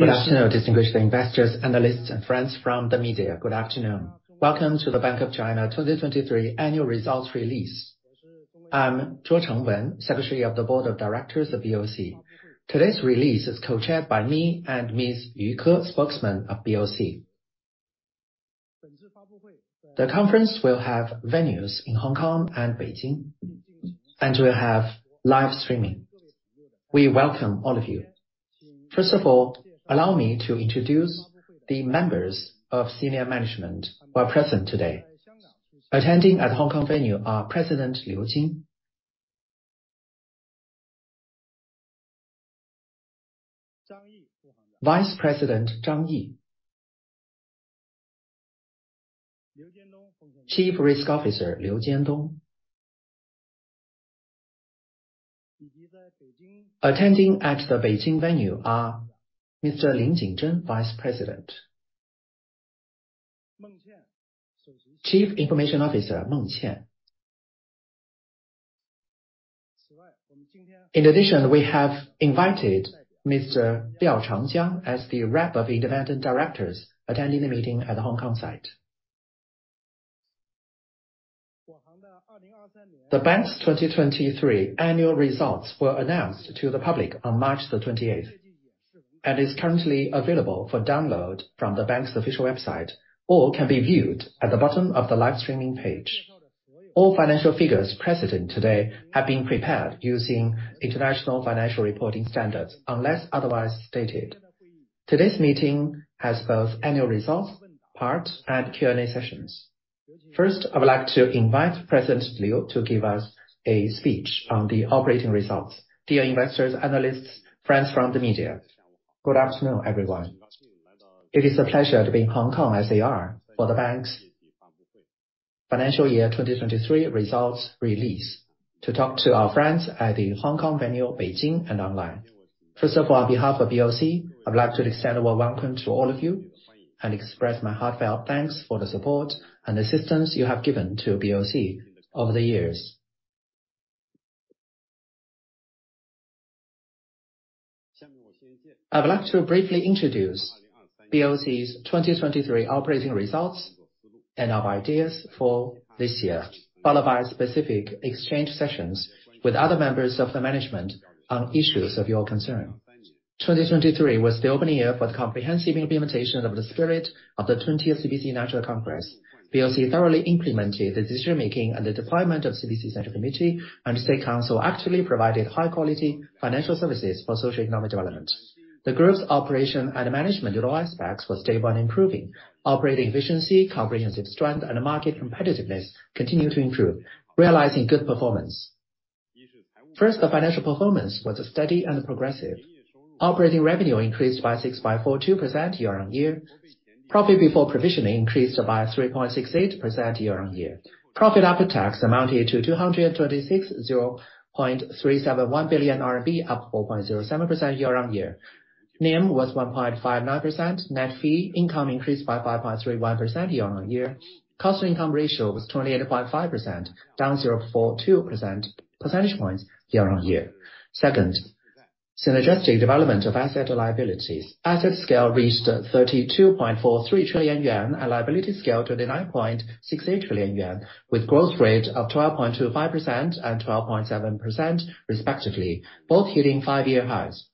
Good afternoon, distinguished investors, analysts, and friends from the media. Good afternoon. Welcome to the Bank of China 2023 annual results release. I'm Zhuo Chengwen, Secretary of the Board of Directors of BOC. Today's release is co-chaired by me and Ms. Yu Ke, Spokesman of BOC. The conference will have venues in Hong Kong and Beijing, and we'll have live streaming. We welcome all of you. First of all, allow me to introduce the members of senior management who are present today. Attending at the Hong Kong venue are President Liu Jin, Vice President Zhang Yi, Chief Risk Officer Liu Jiandong. Attending at the Beijing venue are Mr. Lin Jingzhen, Vice President, Chief Information Officer, Meng Qian. In addition, we have invited Mr. Liao Changjiang as the rep of independent directors attending the meeting at the Hong Kong site. The bank's 2023 annual results were announced to the public on March the 28th, and is currently available for download from the bank's official website, or can be viewed at the bottom of the live streaming page. All financial figures presented today have been prepared using International Financial Reporting Standards, unless otherwise stated. Today's meeting has both annual results, part and Q&A sessions. First, I would like to invite President Liu to give us a speech on the operating results. Dear investors, analysts, friends from the media, good afternoon, everyone. It is a pleasure to be in Hong Kong SAR for the bank's financial year 2023 results release, to talk to our friends at the Hong Kong venue, Beijing, and online. First of all, on behalf of BOC, I'd like to extend a welcome to all of you, and express my heartfelt thanks for the support and the assistance you have given to BOC over the years. I would like to briefly introduce BOC's 2023 operating results and our ideas for this year, followed by specific exchange sessions with other members of the management on issues of your concern. 2023 was the opening year for the comprehensive implementation of the spirit of the 20th CPC National Congress. BOC thoroughly implemented the decision-making and the deployment of CPC Central Committee, and State Council actively provided high-quality financial services for social economic development. The group's operation and management utilization spectrum was stable and improving. Operating efficiency, comprehensive strength, and market competitiveness continue to improve, realizing good performance. First, the financial performance was steady and progressive. Operating revenue increased by 6.42% year-on-year. Profit before provisioning increased by 3.68% year-on-year. Profit after tax amounted to 226.0371 billion RMB, up 4.07% year-on-year. NIM was 1.59%. Net fee income increased by 5.31% year-on-year. Cost to income ratio was 28.5%, down 0.42 percentage points year-on-year. Second, synergistic development of asset liabilities. Asset scale reached 32.43 trillion yuan, and liability scale, 29.68 trillion yuan, with growth rate of 12.25% and 12.7% respectively, both hitting five-year highs.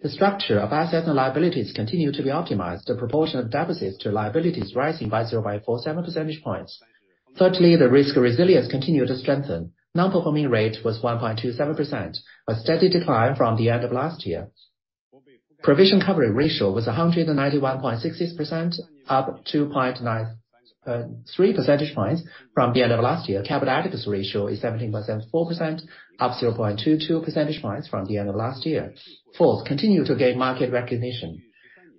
The structure of assets and liabilities continue to be optimized, the proportion of deposits to liabilities rising by 0.47 percentage points. Thirdly, the risk resilience continued to strengthen. Non-performing rate was 1.27%, a steady decline from the end of last year. Provision coverage ratio was 191.66%, up 2.93 percentage points from the end of last year. Capital adequacy ratio is 17.74%, up 0.22 percentage points from the end of last year. Fourth, continue to gain market recognition.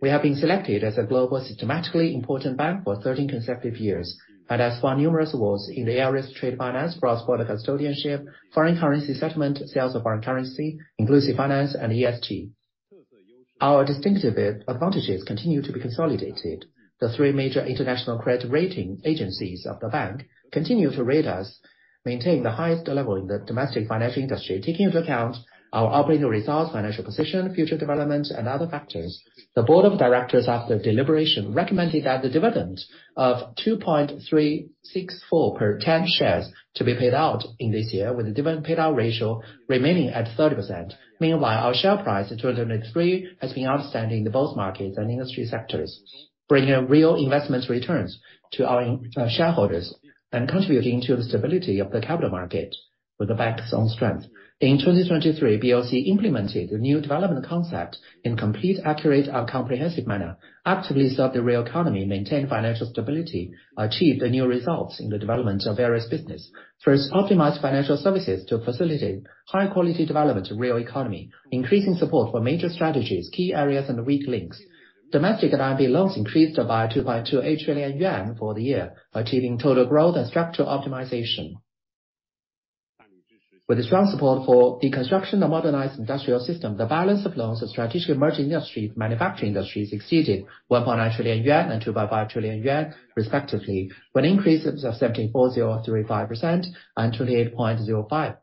We have been selected as a global systematically important bank for 13 consecutive years, and has won numerous awards in the areas of trade, finance, cross-border custodianship, foreign currency settlement, sales of foreign currency, inclusive finance, and ESG. Our distinctive advantages continue to be consolidated. The three major international credit rating agencies of the bank continue to rate us, maintaining the highest level in the domestic financial industry. Taking into account our operating results, financial position, future developments, and other factors, the board of directors, after deliberation, recommended that the dividend of 2.364 per 10 shares to be paid out in this year, with the dividend payout ratio remaining at 30%. Meanwhile, our share price in 2023 has been outstanding in both markets and industry sectors, bringing real investment returns to our shareholders and contributing to the stability of the capital market with the bank's own strength. In 2023, BOC implemented the new development concept in complete, accurate, and comprehensive manner, actively served the real economy, maintained financial stability, achieved the new results in the development of various business. First, optimized financial services to facilitate high-quality development of real economy, increasing support for major strategies, key areas and weak links. Domestic RMB loans increased by 2.28 trillion yuan for the year, achieving total growth and structural optimization. With the strong support for the construction of modernized industrial system, the balance of loans of strategic emerging industry, manufacturing industry, has exceeded 1.9 trillion yuan and 2.5 trillion yuan respectively, with increases of 74.035% and 28.05%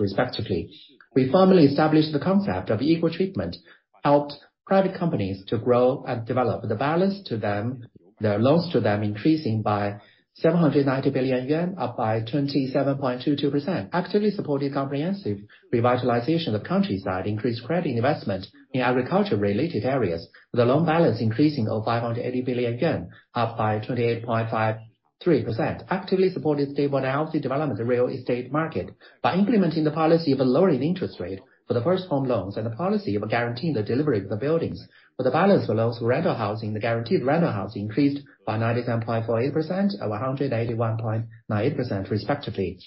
respectively. We firmly established the concept of equal treatment, helped private companies to grow and develop. The balance to them, the loans to them, increasing by 790 billion yuan, up by 27.22%. Actively supported comprehensive revitalization of the countryside, increased credit investment in agriculture-related areas, with the loan balance increasing of 5.80 billion yuan, up by 28.53%. Actively supported stable and healthy development of real estate market by implementing the policy of a lowering interest rate for the first home loans and the policy of guaranteeing the delivery of the buildings. But the balance for loans for rental housing, the guaranteed rental housing, increased by 97.48% and 181.98% respectively.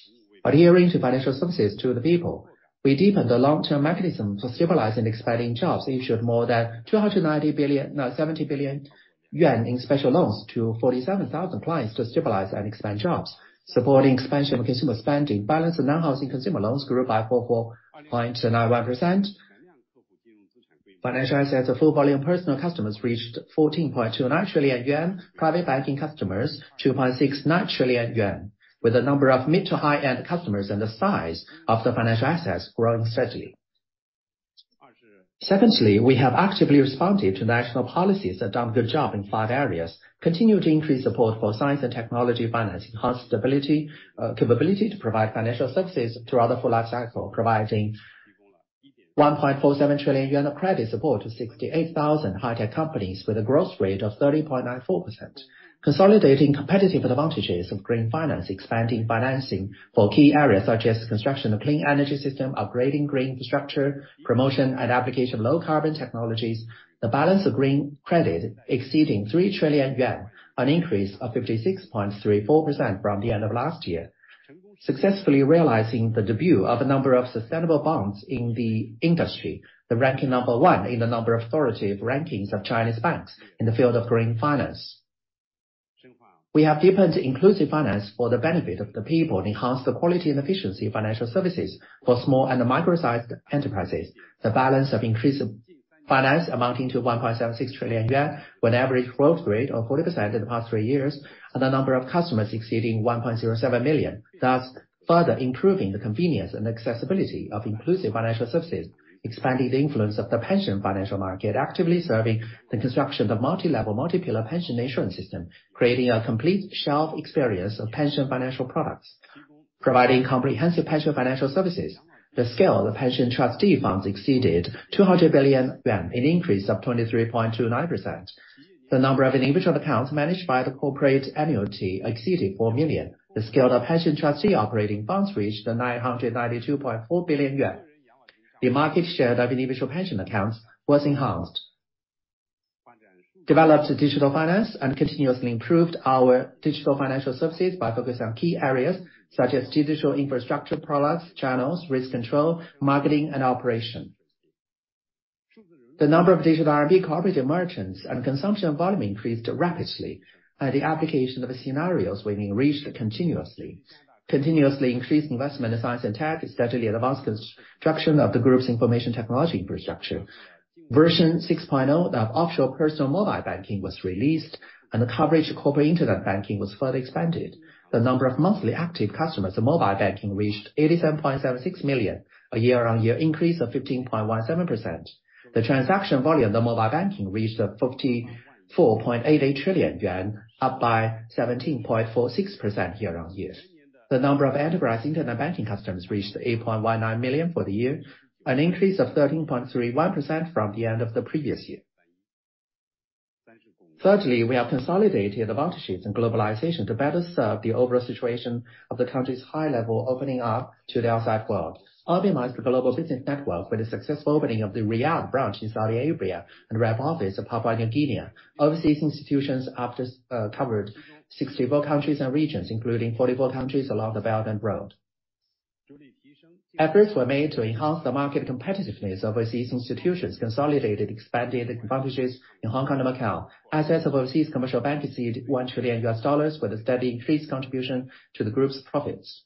Adhering to financial services to the people, we deepened the long-term mechanism for stabilizing and expanding jobs, issued more than 290 billion, 70 billion yuan in special loans to 47,000 clients to stabilize and expand jobs. Supporting expansion of consumer spending, balance of non-housing consumer loans grew by 4.91%. Financial assets of full volume personal customers reached 14.29 trillion yuan. Private banking customers, 2.69 trillion yuan, with a number of mid- to high-end customers and the size of the financial assets growing steadily. Secondly, we have actively responded to national policies and done a good job in 5 areas, continued to increase support for science and technology finance, enhanced stability capability to provide financial services throughout the full life cycle, providing 1.47 trillion yuan of credit support to 68,000 high-tech companies with a growth rate of 30.94%. Consolidating competitive advantages of green finance, expanding financing for key areas such as construction of clean energy system, upgrading green infrastructure, promotion and application of low carbon technologies. The balance of green credit exceeding 3 trillion yuan, an increase of 56.34% from the end of last year. Successfully realizing the debut of a number of sustainable bonds in the industry, the ranking number one in the number of authoritative rankings of Chinese banks in the field of green finance. We have deepened inclusive finance for the benefit of the people, and enhanced the quality and efficiency of financial services for small and micro-sized enterprises. The balance of inclusive finance amounting to 1.76 trillion yuan, with an average growth rate of 40% in the past three years, and the number of customers exceeding 1.07 million, thus further improving the convenience and accessibility of inclusive financial services. Expanding the influence of the pension financial market, actively serving the construction of the multi-level, multi-pillar pension insurance system, creating a complete shelf experience of pension financial products. Providing comprehensive pension financial services, the scale of the pension trustee funds exceeded 200 billion yuan, an increase of 23.29%. The number of individual accounts managed by the corporate annuity exceeded 4 million. The scale of pension trustee operating funds reached 992.4 billion yuan. The market share of individual pension accounts was enhanced. Developed digital finance and continuously improved our digital financial services by focusing on key areas such as digital infrastructure products, channels, risk control, marketing, and operation. The number of digital RMB cooperative merchants and consumption volume increased rapidly, and the application of the scenarios were being reached continuously. Continuously increased investment in science and tech, especially the advanced construction of the group's information technology infrastructure. Version 6.0 of offshore personal mobile banking was released, and the coverage of corporate internet banking was further expanded. The number of monthly active customers in mobile banking reached 87.76 million, a year-on-year increase of 15.17%. The transaction volume of the mobile banking reached 54.88 trillion yuan, up by 17.46% year-on-year. The number of enterprise internet banking customers reached 8.19 million for the year, an increase of 13.31% from the end of the previous year. Thirdly, we have consolidated advantages in globalization to better serve the overall situation of the country's high level, opening up to the outside world. Optimize the global business network with the successful opening of the Riyadh branch in Saudi Arabia and rep office of Papua New Guinea. Overseas institutions after covered 64 countries and regions, including 44 countries along the Belt and Road. Efforts were made to enhance the market competitiveness of overseas institutions, consolidated, expanded advantages in Hong Kong and Macau. Assets of overseas commercial bank exceeded $1 trillion, with a steady increased contribution to the group's profits.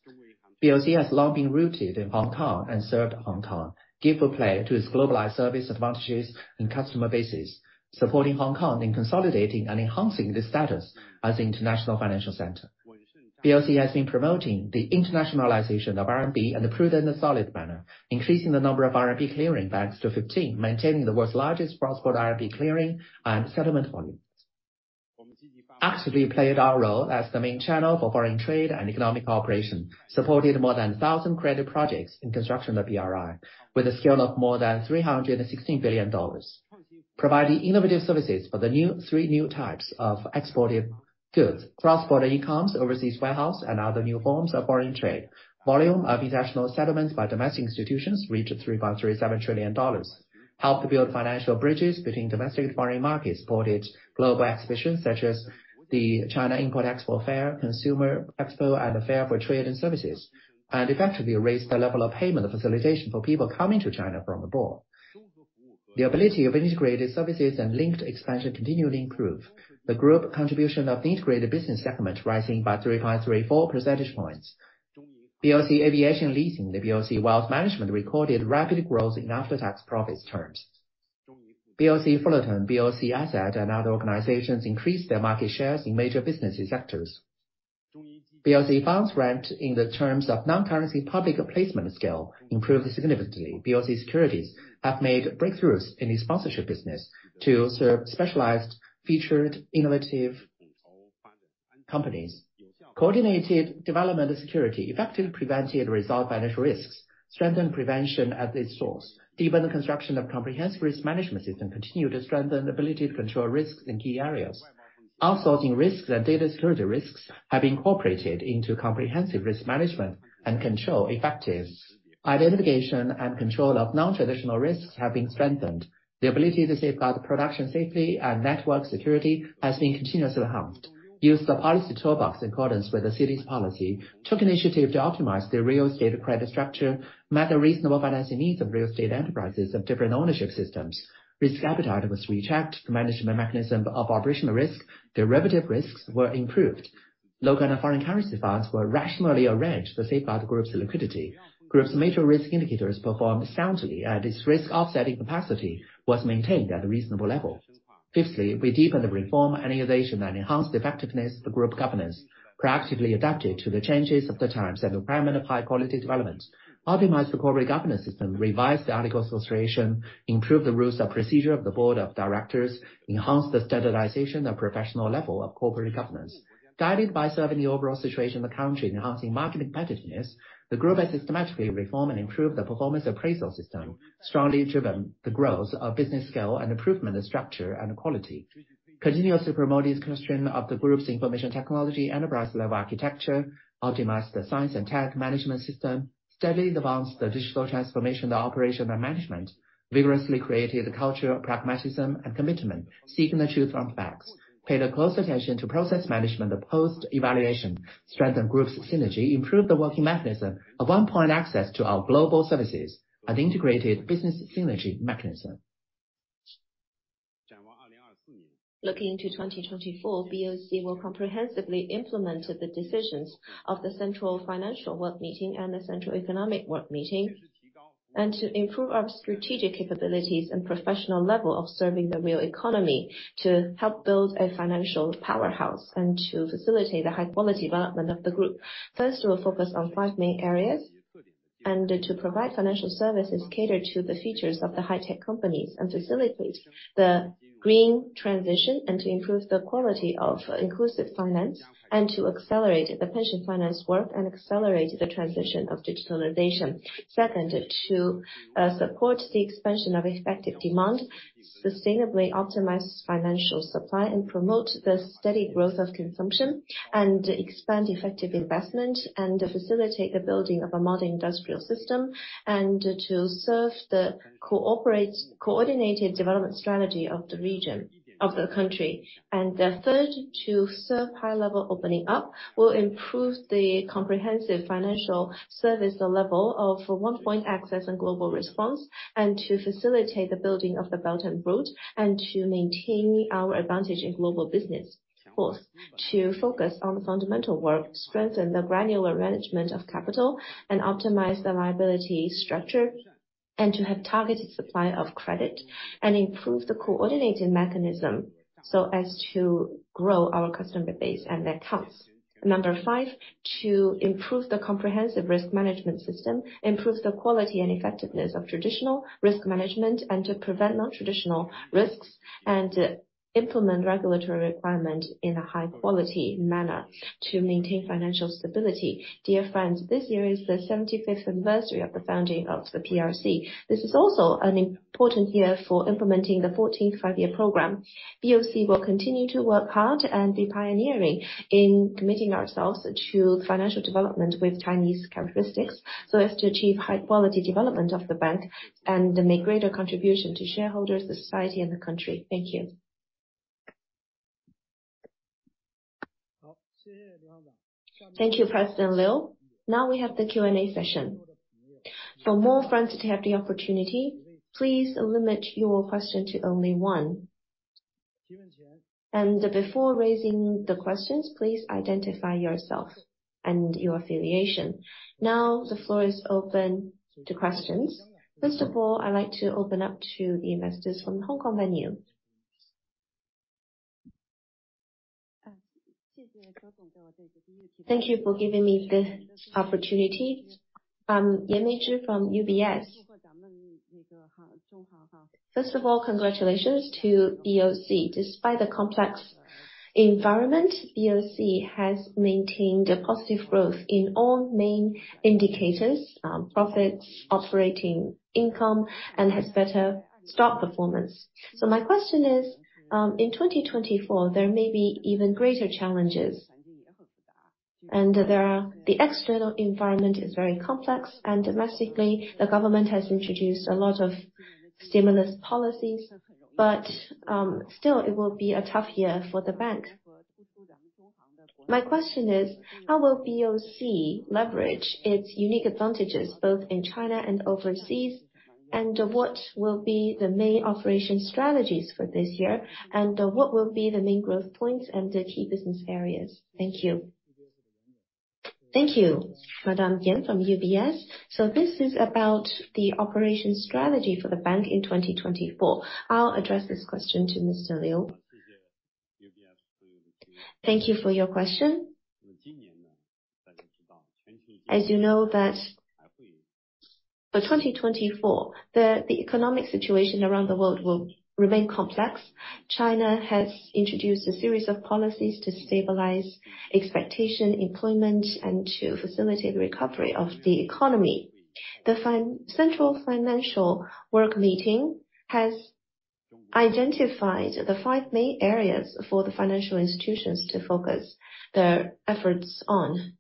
BOC has long been rooted in Hong Kong and served Hong Kong, give play to its globalized service advantages and customer bases, supporting Hong Kong in consolidating and enhancing the status as an international financial center. BOC has been promoting the internationalization of RMB in a prudent and solid manner, increasing the number of RMB clearing banks to 15, maintaining the world's largest cross-border RMB clearing and settlement volumes. Actively played our role as the main channel for foreign trade and economic cooperation, supported more than 1,000 credit projects in construction of BRI, with a scale of more than $316 billion. Providing innovative services for the new-- three new types of exported goods, cross-border e-coms, overseas warehouse, and other new forms of foreign trade. Volume of international settlements by domestic institutions reached $3.37 trillion. Helped build financial bridges between domestic and foreign markets, supported global exhibitions such as the China Import Expo Fair, Consumer Expo, and the Fair for Trade and Services, and effectively raised the level of payment facilitation for people coming to China from abroad.... The ability of integrated services and linked expansion continually improve. The group contribution of the integrated business segment rising by 3.34 percentage points. BOC Aviation Leasing, the BOC Wealth Management, recorded rapid growth in terms of after-tax profits. BOC Fullerton, BOC Asset, and other organizations increased their market shares in major business sectors. BOC Fund Management, in terms of non-currency public placement scale, improved significantly. BOC Securities have made breakthroughs in the sponsorship business to serve specialized, featured, innovative companies. Coordinated development of securities effectively prevented and resolved financial risks, strengthened prevention at its source. Deepen the construction of comprehensive risk management system, continued to strengthen the ability to control risks in key areas. Outsourcing risks and data security risks have been incorporated into comprehensive risk management and control effectiveness. Identification and control of non-traditional risks have been strengthened. The ability to safeguard production safety and network security has been continuously enhanced. Use the policy toolbox in accordance with the city's policy, took initiative to optimize the real estate credit structure, met the reasonable financing needs of real estate enterprises of different ownership systems. Risk appetite was rechecked. Management mechanism of operational risk, derivative risks were improved. Local and foreign currency funds were rationally arranged to safeguard the group's liquidity. Group's major risk indicators performed soundly, and its risk offsetting capacity was maintained at a reasonable level. Fifthly, we deepened the reform and innovation and enhanced effectiveness of group governance, proactively adapted to the changes of the times and the requirement of high-quality development. Optimize the corporate governance system, revised the articles of association, improved the rules and procedure of the board of directors, enhanced the standardization and professional level of corporate governance. Guided by serving the overall situation of the country, enhancing market competitiveness, the group has systematically reformed and improved the performance appraisal system, strongly driven the growth of business scale and improvement of structure and quality. Continuously promoting construction of the group's information technology, enterprise-level architecture, optimize the science and tech management system, steadily advance the digital transformation, the operation and management. Vigorously created a culture of pragmatism and commitment, seeking the truth from facts. Paid a close attention to process management, the post-evaluation, strengthened group's synergy, improved the working mechanism of one-point access to our global services and integrated business synergy mechanism. Looking into 2024, BOC will comprehensively implement the decisions of the Central Financial Work Meeting and the Central Economic Work Meeting, and to improve our strategic capabilities and professional level of serving the real economy, to help build a financial powerhouse and to facilitate the high-quality development of the group. First, we'll focus on five main areas, and to provide financial services catered to the features of the high-tech companies, and facilitate the green transition, and to improve the quality of inclusive finance, and to accelerate the pension finance work, and accelerate the transition of digitalization. Second, to support the expansion of effective demand, sustainably optimize financial supply, and promote the steady growth of consumption, and expand effective investment, and facilitate the building of a modern industrial system, and to serve the coordinated development strategy of the region, of the country. And the third, to serve high-level opening up, will improve the comprehensive financial service level of one-point access and global response, and to facilitate the building of the Belt and Road, and to maintain our advantage in global business. Fourth, to focus on the fundamental work, strengthen the granular management of capital, and optimize the liability structure, and to have targeted supply of credit, and improve the coordinating mechanism, so as to grow our customer base and accounts. Number five, to improve the comprehensive risk management system, improve the quality and effectiveness of traditional risk management, and to prevent non-traditional risks, and implement regulatory requirement in a high-quality manner to maintain financial stability. Dear friends, this year is the 75th anniversary of the founding of the PRC. This is also an important year for implementing the 14th five-year program. BOC will continue to work hard and be pioneering in committing ourselves to financial development with Chinese characteristics, so as to achieve high-quality development of the bank and make greater contribution to shareholders, the society, and the country. Thank you. Thank you, President Liu. Now we have the Q&A session. For more friends to have the opportunity, please limit your question to only one. Before raising the questions, please identify yourself and your affiliation. Now, the floor is open to questions. First of all, I'd like to open up to the investors from the Hong Kong venue. Thank you for giving me this opportunity. Yan Leizhi from UBS. First of all, congratulations to BOC. Despite the complex environment, BOC has maintained a positive growth in all main indicators, profits, operating income, and has better stock performance. So my question is, in 2024, there may be even greater challenges, and the external environment is very complex, and domestically, the government has introduced a lot of stimulus policies. But, still, it will be a tough year for the bank. My question is, how will BOC leverage its unique advantages, both in China and overseas? And what will be the main operation strategies for this year? And, what will be the main growth points and the key business areas? Thank you. Thank you, Madame Yan from UBS. So this is about the operation strategy for the bank in 2024. I'll address this question to Mr. Liu. Thank you for your question. As you know that for 2024, the economic situation around the world will remain complex. China has introduced a series of policies to stabilize expectation, employment, and to facilitate the recovery of the economy. The central financial work meeting has identified the five main areas for the financial institutions to focus their efforts on.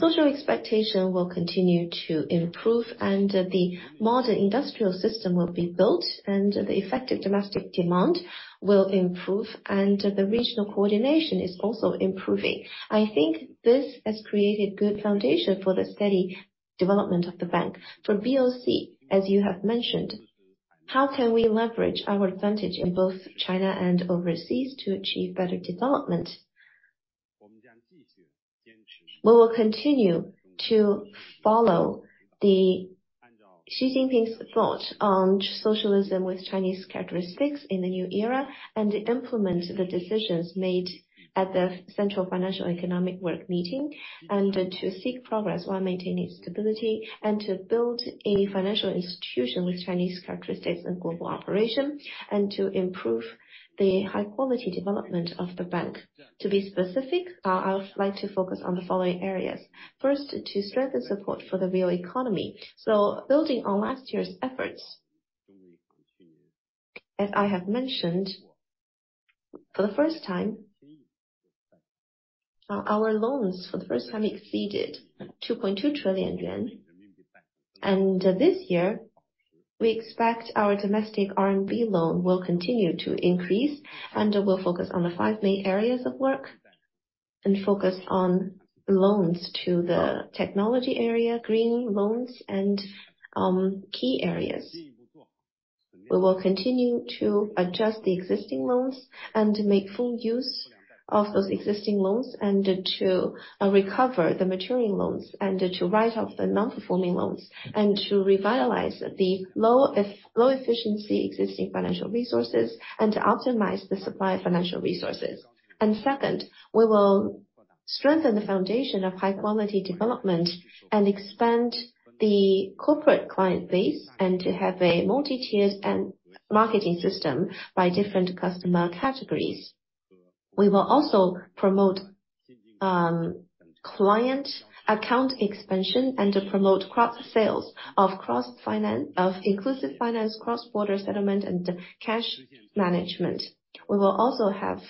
Social expectation will continue to improve, and the modern industrial system will be built, and the effective domestic demand will improve, and the regional coordination is also improving. I think this has created good foundation for the steady development of the bank. For BOC, as you have mentioned, how can we leverage our advantage in both China and overseas to achieve better development? We will continue to follow the Xi Jinping's thought on socialism with Chinese characteristics in the new era, and implement the decisions made at the Central Financial Economic Work Meeting, and to seek progress while maintaining stability, and to build a financial institution with Chinese characteristics and global operation, and to improve the high-quality development of the bank. To be specific, I would like to focus on the following areas. First, to strengthen support for the real economy. Building on last year's efforts, as I have mentioned, for the first time, our loans for the first time exceeded 2.2 trillion yuan. This year, we expect our domestic RMB loan will continue to increase and we'll focus on the five main areas of work, and focus on loans to the technology area, green loans, and key areas. We will continue to adjust the existing loans and make full use of those existing loans, and to recover the maturing loans, and to write off the non-performing loans, and to revitalize the low-efficiency existing financial resources, and to optimize the supply of financial resources. Second, we will strengthen the foundation of high-quality development and expand the corporate client base, and to have a multi-tiered and marketing system by different customer categories. We will also promote client account expansion and to promote cross-sales of inclusive finance, cross-border settlement, and cash management. We will also have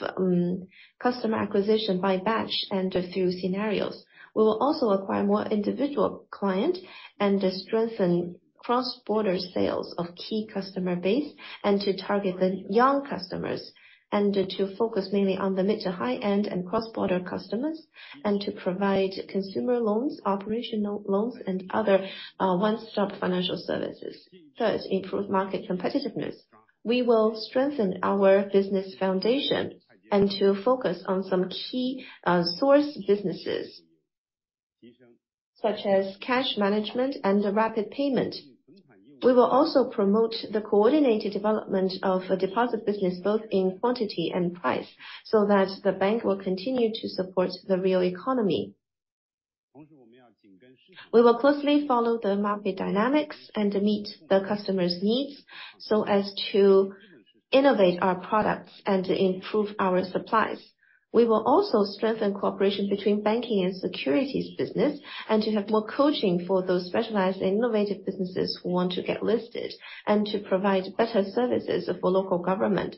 customer acquisition by batch and a few scenarios. We will also acquire more individual client and strengthen cross-border sales of key customer base, and to target the young customers, and to focus mainly on the mid-to-high-end and cross-border customers, and to provide consumer loans, operational loans, and other one-stop financial services. Thus, improve market competitiveness. We will strengthen our business foundation and to focus on some key source businesses, such as cash management and rapid payment. We will also promote the coordinated development of a deposit business, both in quantity and price, so that the bank will continue to support the real economy. We will closely follow the market dynamics and meet the customers' needs, so as to innovate our products and to improve our supplies. We will also strengthen cooperation between banking and securities business, and to have more coaching for those specialized and innovative businesses who want to get listed, and to provide better services for local government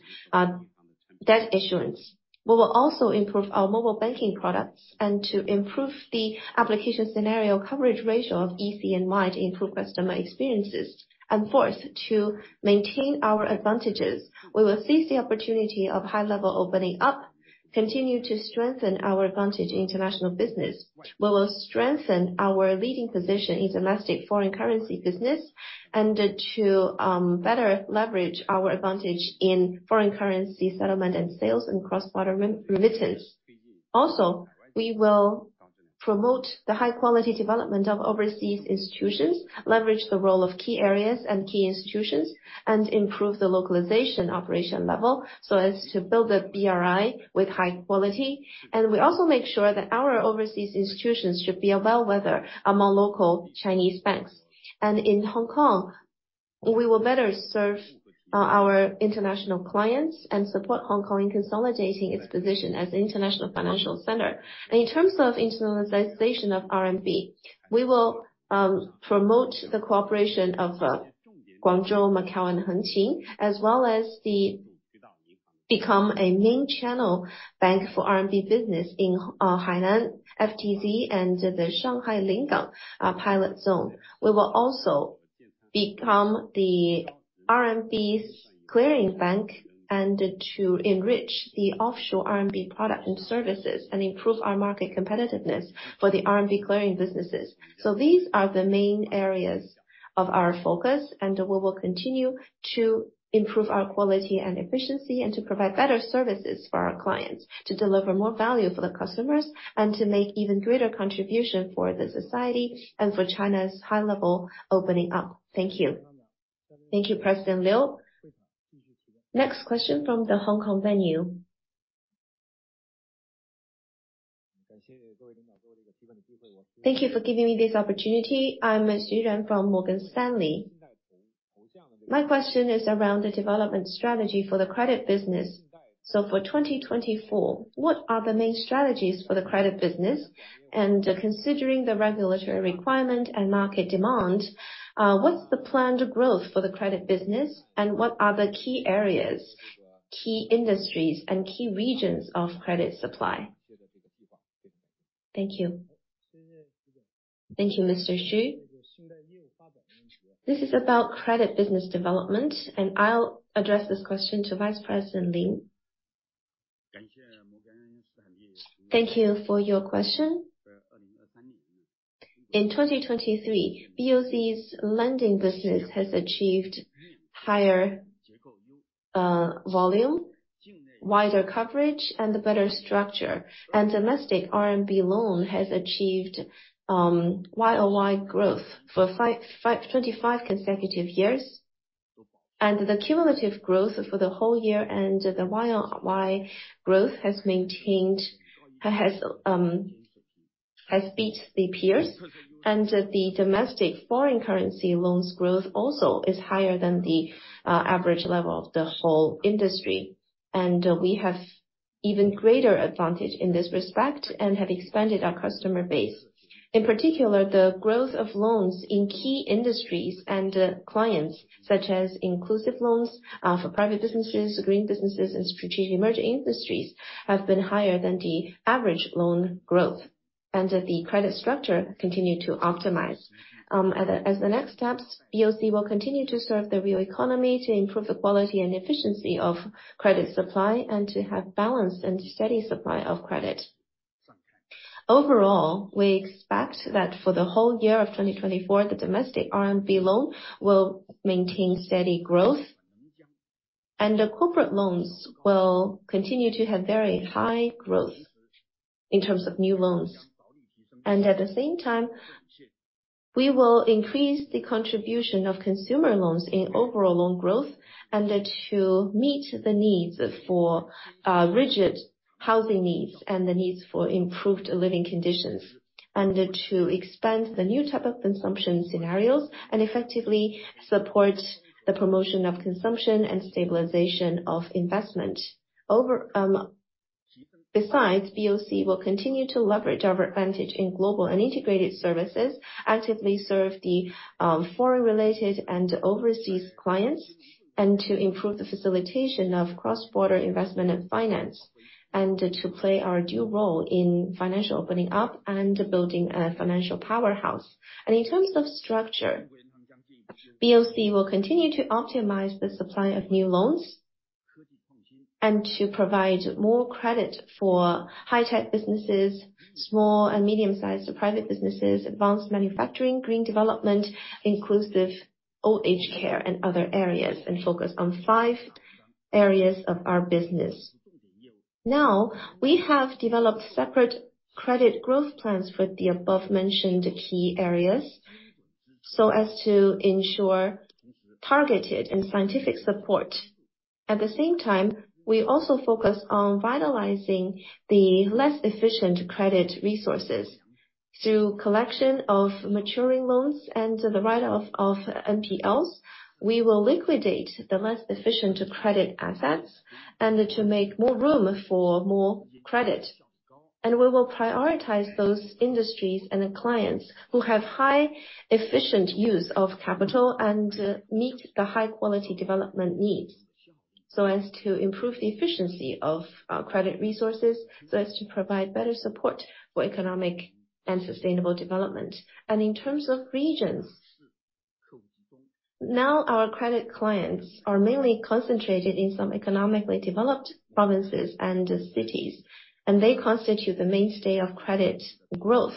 debt issuance. We will also improve our mobile banking products and to improve the application scenario coverage ratio of Easy and Might improve customer experiences. And fourth, to maintain our advantages, we will seize the opportunity of high-level opening up, continue to strengthen our advantage in international business. We will strengthen our leading position in domestic foreign currency business, and to better leverage our advantage in foreign currency settlement and sales and cross-border remittance. Also, we will promote the high-quality development of overseas institutions, leverage the role of key areas and key institutions, and improve the localization operation level so as to build a BRI with high quality. We also make sure that our overseas institutions should be a bellwether among local Chinese banks. In Hong Kong, we will better serve our international clients and support Hong Kong in consolidating its position as an international financial center. In terms of internationalization of RMB, we will promote the cooperation of Guangzhou, Macau, and Hengqin, as well as become a main channel bank for RMB business in Hainan, FTZ, and the Shanghai Lingang pilot zone. We will also become the RMB clearing bank and to enrich the offshore RMB product and services, and improve our market competitiveness for the RMB clearing businesses. So these are the main areas of our focus, and we will continue to improve our quality and efficiency, and to provide better services for our clients, to deliver more value for the customers, and to make even greater contribution for the society and for China's high level opening up. Thank you. Thank you, President Liu. Next question from the Hong Kong venue. Thank you for giving me this opportunity. I'm Xu Yuan from Morgan Stanley. My question is around the development strategy for the credit business. So for 2024, what are the main strategies for the credit business? And considering the regulatory requirement and market demand, what's the planned growth for the credit business, and what are the key areas, key industries, and key regions of credit supply? Thank you. Thank you, Mr. Xu. This is about credit business development, and I'll address this question to Vice President Li. Thank you for your question. In 2023, BOC's lending business has achieved higher volume, wider coverage, and a better structure. Domestic RMB loan has achieved Y-o-Y growth for 25 consecutive years. The cumulative growth for the whole year and the Y-o-Y growth has beat the peers. The domestic foreign currency loans growth also is higher than the average level of the whole industry. We have even greater advantage in this respect and have expanded our customer base. In particular, the growth of loans in key industries and clients, such as inclusive loans for private businesses, green businesses, and strategic emerging industries, have been higher than the average loan growth. The credit structure continued to optimize. As the next steps, BOC will continue to serve the real economy to improve the quality and efficiency of credit supply, and to have balanced and steady supply of credit. Overall, we expect that for the whole year of 2024, the domestic RMB loan will maintain steady growth, and the corporate loans will continue to have very high growth in terms of new loans. At the same time, we will increase the contribution of consumer loans in overall loan growth, and to meet the needs for rigid housing needs and the needs for improved living conditions, and to expand the new type of consumption scenarios, and effectively support the promotion of consumption and stabilization of investment. Besides, BOC will continue to leverage our advantage in global and integrated services, actively serve the foreign-related and overseas clients, and to improve the facilitation of cross-border investment and finance, and to play our due role in financial opening up and building a financial powerhouse. In terms of structure, BOC will continue to optimize the supply of new loans, and to provide more credit for high-tech businesses, small and medium-sized private businesses, advanced manufacturing, green development, inclusive old age care and other areas, and focus on five areas of our business. Now, we have developed separate credit growth plans for the above-mentioned key areas, so as to ensure targeted and scientific support. At the same time, we also focus on vitalizing the less efficient credit resources. Through collection of maturing loans and the write-off of NPLs, we will liquidate the less efficient credit assets and to make more room for more credit. We will prioritize those industries and the clients who have high efficient use of capital and meet the high-quality development needs, so as to improve the efficiency of credit resources, so as to provide better support for economic and sustainable development. In terms of regions, now our credit clients are mainly concentrated in some economically developed provinces and cities, and they constitute the mainstay of credit growth.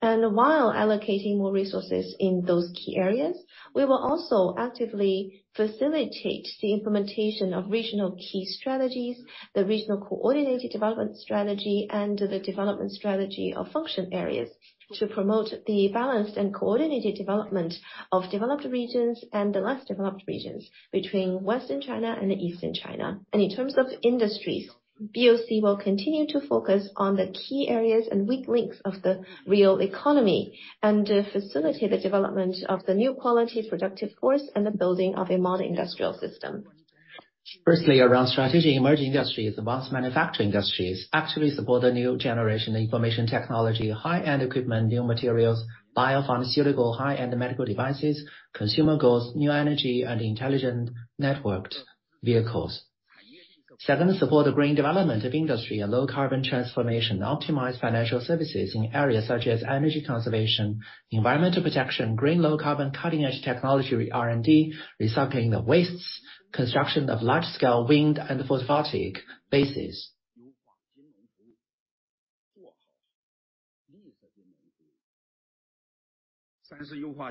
While allocating more resources in those key areas, we will also actively facilitate the implementation of regional key strategies, the regional coordinated development strategy, and the development strategy of function areas, to promote the balanced and coordinated development of developed regions and the less developed regions between Western China and Eastern China. In terms of industries, BOC will continue to focus on the key areas and weak links of the real economy, and facilitate the development of the new quality productive force and the building of a modern industrial system. Firstly, around strategic emerging industries, advanced manufacturing industries actually support the new generation information technology, high-end equipment, new materials, biopharmaceutical, high-end medical devices, consumer goods, new energy, and intelligent networked vehicles. Second, support the green development of industry and low carbon transformation, and optimize financial services in areas such as energy conservation, environmental protection, green low carbon cutting-edge technology R&D, recycling the wastes, construction of large-scale wind and photovoltaic bases.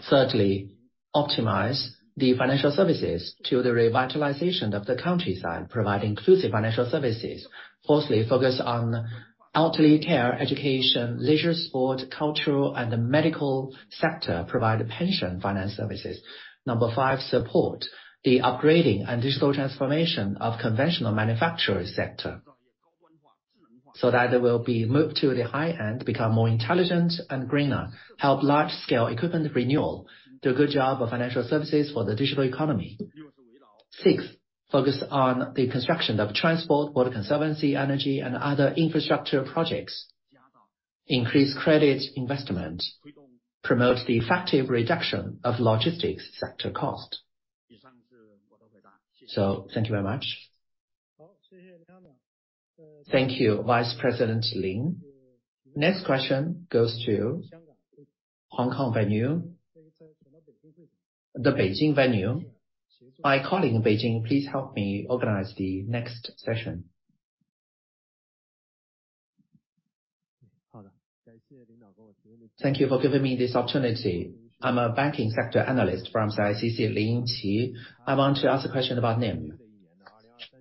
Thirdly, optimize the financial services to the revitalization of the countryside. Provide inclusive financial services. Fourthly, focus on elderly care, education, leisure, sport, cultural, and the medical sector. Provide pension finance services. Number five, support the upgrading and digital transformation of conventional manufacturer sector, so that they will be moved to the high end, become more intelligent and greener, help large-scale equipment renewal, do a good job of financial services for the digital economy. Sixth, focus on the construction of transport, water conservancy, energy, and other infrastructure projects. Increase credit investment, promote the effective reduction of logistics sector cost. So thank you very much. Thank you, Vice President Ling. Next question goes to Hong Kong venue. The Beijing venue. My colleague in Beijing, please help me organize the next session. Thank you for giving me this opportunity. I'm a banking sector analyst from CITIC, Lin Qi. I want to ask a question about NIM.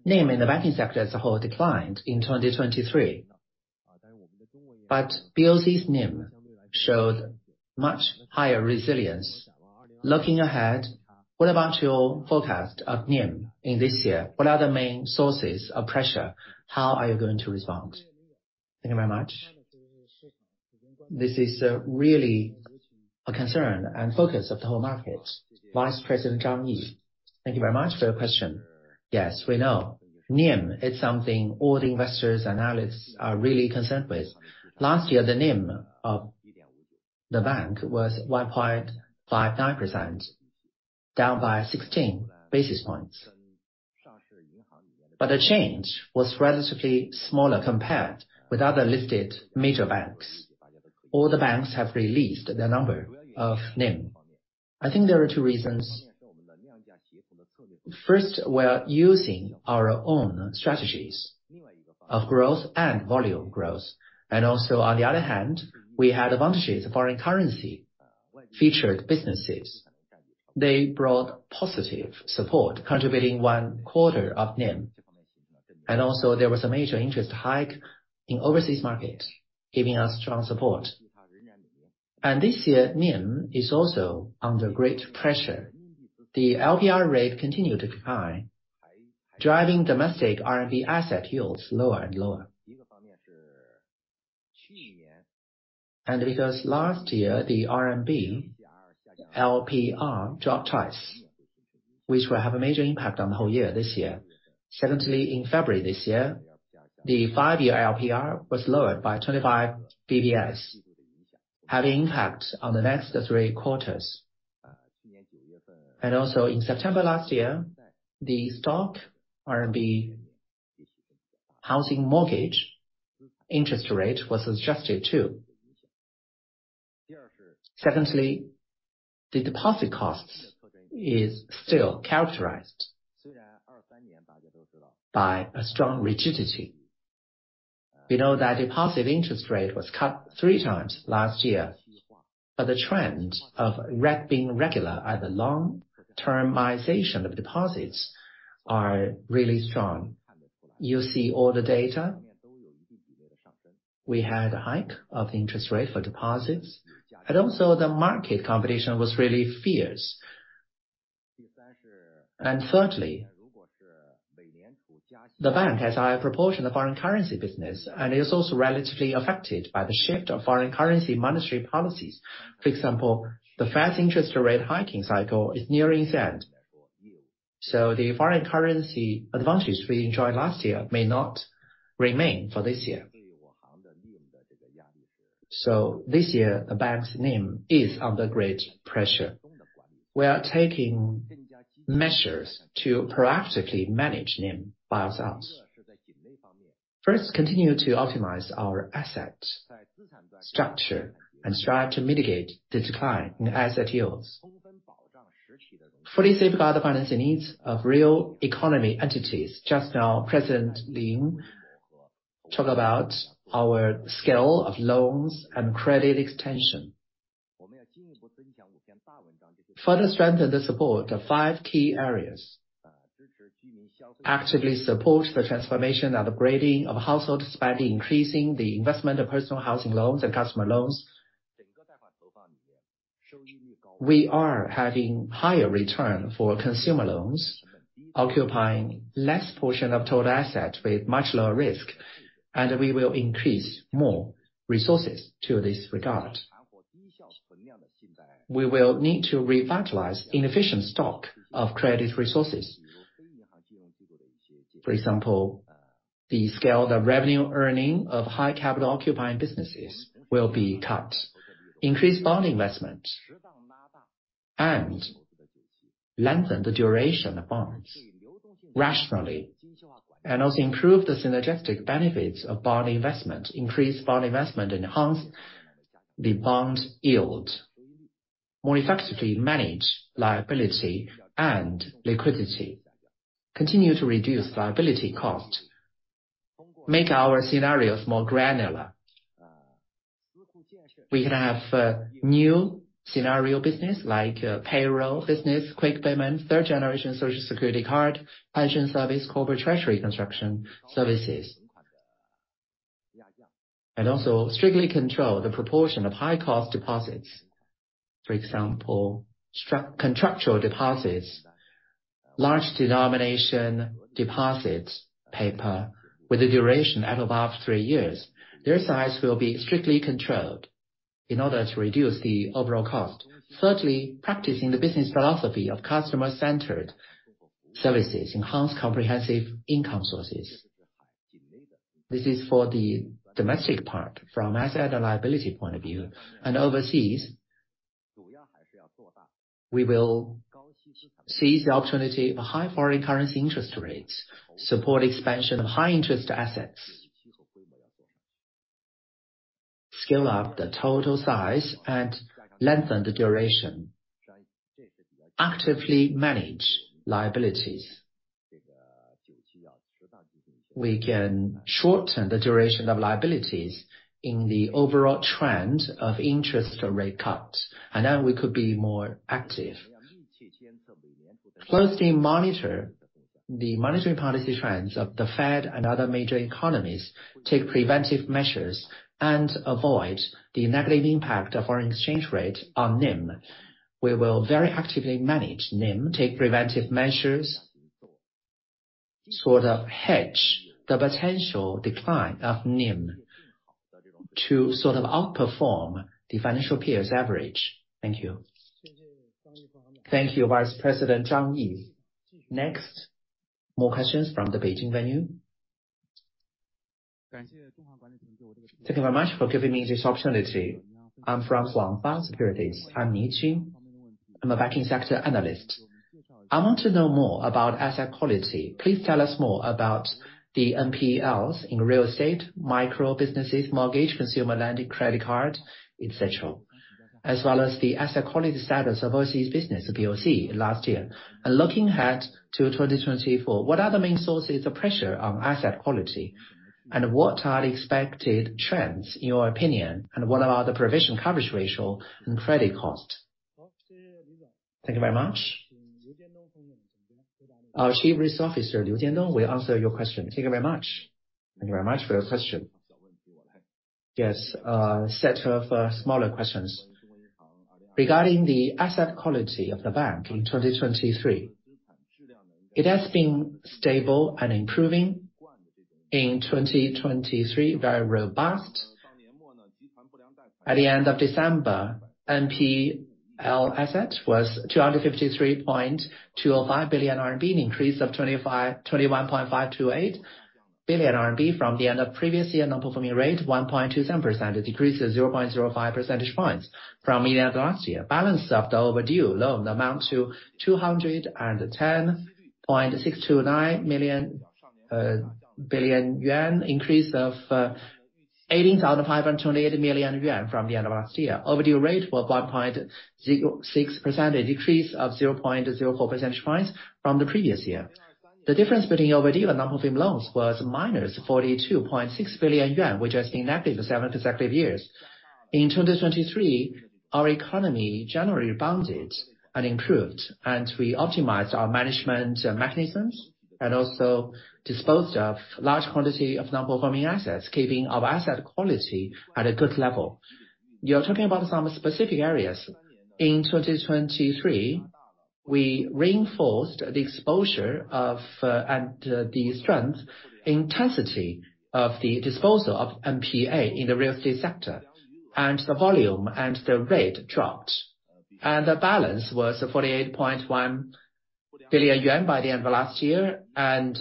NIM in the banking sector as a whole declined in 2023, but BOC's NIM showed much higher resilience. Looking ahead, what about your forecast of NIM in this year? What are the main sources of pressure? How are you going to respond? Thank you very much. This is really a concern and focus of the whole market. Vice President Zhang Yi. Thank you very much for your question. Yes, we know NIM is something all the investors and analysts are really concerned with. Last year, the NIM of the bank was 1.59%, down by 16 basis points. But the change was relatively smaller compared with other listed major banks. All the banks have released the number of NIM. I think there are two reasons. First, we are using our own strategies of growth and volume growth, and also, on the other hand, we had advantages of foreign currency featured businesses. They brought positive support, contributing one quarter of NIM. And also, there was a major interest hike in overseas market, giving us strong support. And this year, NIM is also under great pressure. The LPR rate continued to decline, driving domestic RMB asset yields lower and lower. Because last year, the RMB LPR dropped twice, which will have a major impact on the whole year this year. Secondly, in February this year, the five-year LPR was lowered by 25 basis points, having impact on the next three quarters. Also in September last year, the stock RMB housing mortgage interest rate was adjusted, too. Secondly, the deposit cost is still characterized by a strong rigidity. We know that deposit interest rate was cut three times last year, but the trend of re- being regular at the long-termization of deposits are really strong. You see all the data, we had a hike of interest rate for deposits, and also the market competition was really fierce. Thirdly, the bank has a higher proportion of foreign currency business, and is also relatively affected by the shift of foreign currency monetary policies. For example, the fast interest rate hiking cycle is nearing its end, so the foreign currency advantage we enjoyed last year may not remain for this year. This year, the bank's NIM is under great pressure. We are taking measures to proactively manage NIM by ourselves. First, continue to optimize our asset structure and strive to mitigate the decline in asset yields. Fully safeguard the financing needs of real economy entities. Just now, President Liu talked about our scale of loans and credit extension. Further strengthen the support of five key areas. Actively support the transformation and upgrading of household spending, increasing the investment of personal housing loans and customer loans. We are having higher return for consumer loans, occupying less portion of total asset with much lower risk, and we will increase more resources to this regard. We will need to revitalize inefficient stock of credit resources. For example, the scale, the revenue earning of high capital occupying businesses will be cut, increase bond investment, and lengthen the duration of bonds rationally, and also improve the synergistic benefits of bond investment. Increase bond investment, enhance the bond yield, more effectively manage liability and liquidity. Continue to reduce liability cost, make our scenarios more granular. We can have new scenario business, like payroll business, quick payment, third generation Social Security card, pension service, corporate treasury construction services. And also strictly control the proportion of high-cost deposits. For example, structured contractual deposits, large denomination deposits payable with a duration at above three years. Their size will be strictly controlled in order to reduce the overall cost. Thirdly, practicing the business philosophy of customer-centered services, enhanced comprehensive income sources. This is for the domestic part, from asset and liability point of view. Overseas, we will seize the opportunity of high foreign currency interest rates, support expansion of high interest assets. Scale up the total size and lengthen the duration. Actively manage liabilities. We can shorten the duration of liabilities in the overall trend of interest rate cuts, and then we could be more active. Closely monitor the monetary policy trends of the Fed and other major economies, take preventive measures, and avoid the negative impact of foreign exchange rate on NIM. We will very actively manage NIM, take preventive measures, sort of hedge the potential decline of NIM to sort of outperform the financial peers average. Thank you. Thank you, Vice President Zhang Yi. Next, more questions from the Beijing venue. Thank you very much for giving me this opportunity. I'm from Huabao Securities. I'm Ni Ching. I'm a banking sector analyst. I want to know more about asset quality. Please tell us more about the NPLs in real estate, micro businesses, mortgage, consumer lending, credit card, et cetera, as well as the asset quality status of overseas business, the BOC, last year. And looking ahead to 2024, what are the main sources of pressure on asset quality? And what are the expected trends, in your opinion, and what about the provision coverage ratio and credit cost? Thank you very much .Our Chief Risk Officer, Liu Jiandong, will answer your question. Thank you very much. Thank you very much for your question. Yes, a set of, smaller questions. Regarding the asset quality of the bank in 2023, it has been stable and improving. In 2023, very robust. At the end of December, NPL asset was 253.25 billion RMB, an increase of 21.528 billion RMB from the end of previous year. Non-performing rate, 1.27%. It decreased to 0.05 percentage points from the end of last year. Balance of the overdue loan amount to 210.629 million, billion yuan, increase of, eighty thousand, five hundred and twenty-eight million yuan from the end of last year. Overdue rate was 1.06%, a decrease of 0.04 percentage points from the previous year. The difference between overdue and non-performing loans was -42.6 billion yuan, which has been active for seven consecutive years. In 2023, our economy generally rebounded and improved, and we optimized our management mechanisms, and also disposed of large quantity of non-performing assets, keeping our asset quality at a good level. You're talking about some specific areas. In 2023, we reinforced the exposure of, and, the strength, intensity of the disposal of NPA in the real estate sector, and the volume and the rate dropped. The balance was 48.1 billion yuan by the end of last year, and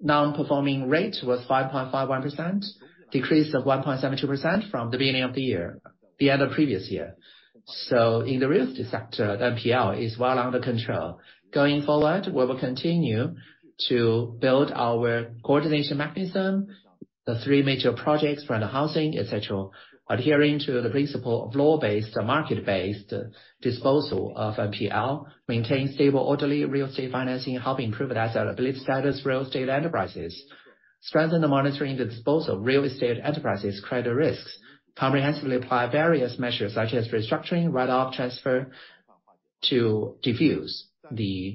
non-performing rate was 5.51%, decrease of 1.72% from the beginning of the year, the end of previous year. So in the real estate sector, the NPL is well under control. Going forward, we will continue to build our coordination mechanism, the three major projects around the housing, et cetera, adhering to the principle of law-based and market-based disposal of NPL, maintain stable, orderly real estate financing, helping improve the asset quality status of real estate enterprises. Strengthen the monitoring and disposal of real estate enterprises' credit risks. Comprehensively apply various measures, such as restructuring, write-off, transfer, to defuse the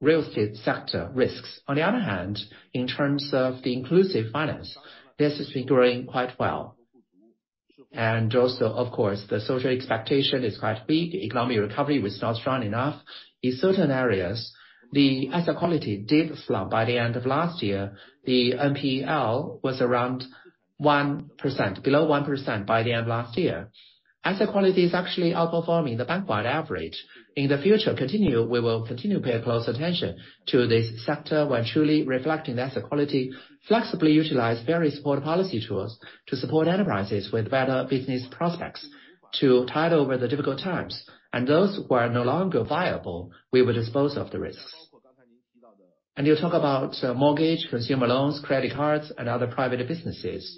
real estate sector risks. On the other hand, in terms of the inclusive finance, this has been growing quite well. Also, of course, the social expectation is quite big. Economic recovery was not strong enough. In certain areas, the asset quality did slump by the end of last year. The NPL was around 1%, below 1% by the end of last year. Asset quality is actually outperforming the bank-wide average... In the future, we will continue to pay close attention to this sector, while truly reflecting the asset quality, flexibly utilize various support policy tools to support enterprises with better business prospects, to tide over the difficult times. Those who are no longer viable, we will dispose of the risks. You talk about mortgage, consumer loans, credit cards, and other private businesses.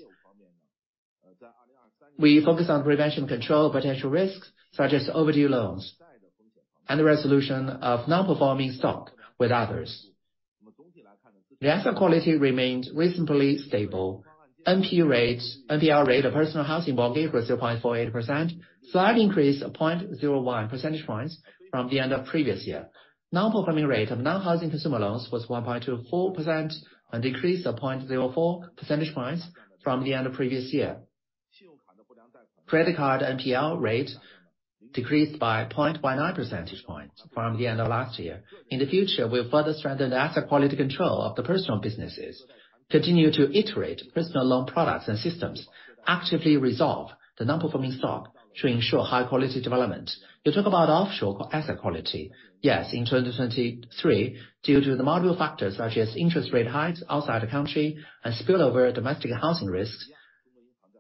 We focus on prevention and control of potential risks, such as overdue loans and the resolution of non-performing stock with others. The asset quality remained reasonably stable. NPL rate of personal housing mortgage was 0.48%, slight increase of 0.01 percentage points from the end of previous year. Non-performing rate of non-housing consumer loans was 1.24%, and decreased to 0.04 percentage points from the end of previous year. Credit card NPL rate decreased by 0.19 percentage points from the end of last year. In the future, we'll further strengthen the asset quality control of the personal businesses, continue to iterate personal loan products and systems, actively resolve the non-performing stock to ensure high quality development. You talk about offshore asset quality. Yes, in 2023, due to the multiple factors such as interest rate hikes outside the country and spillover domestic housing risks,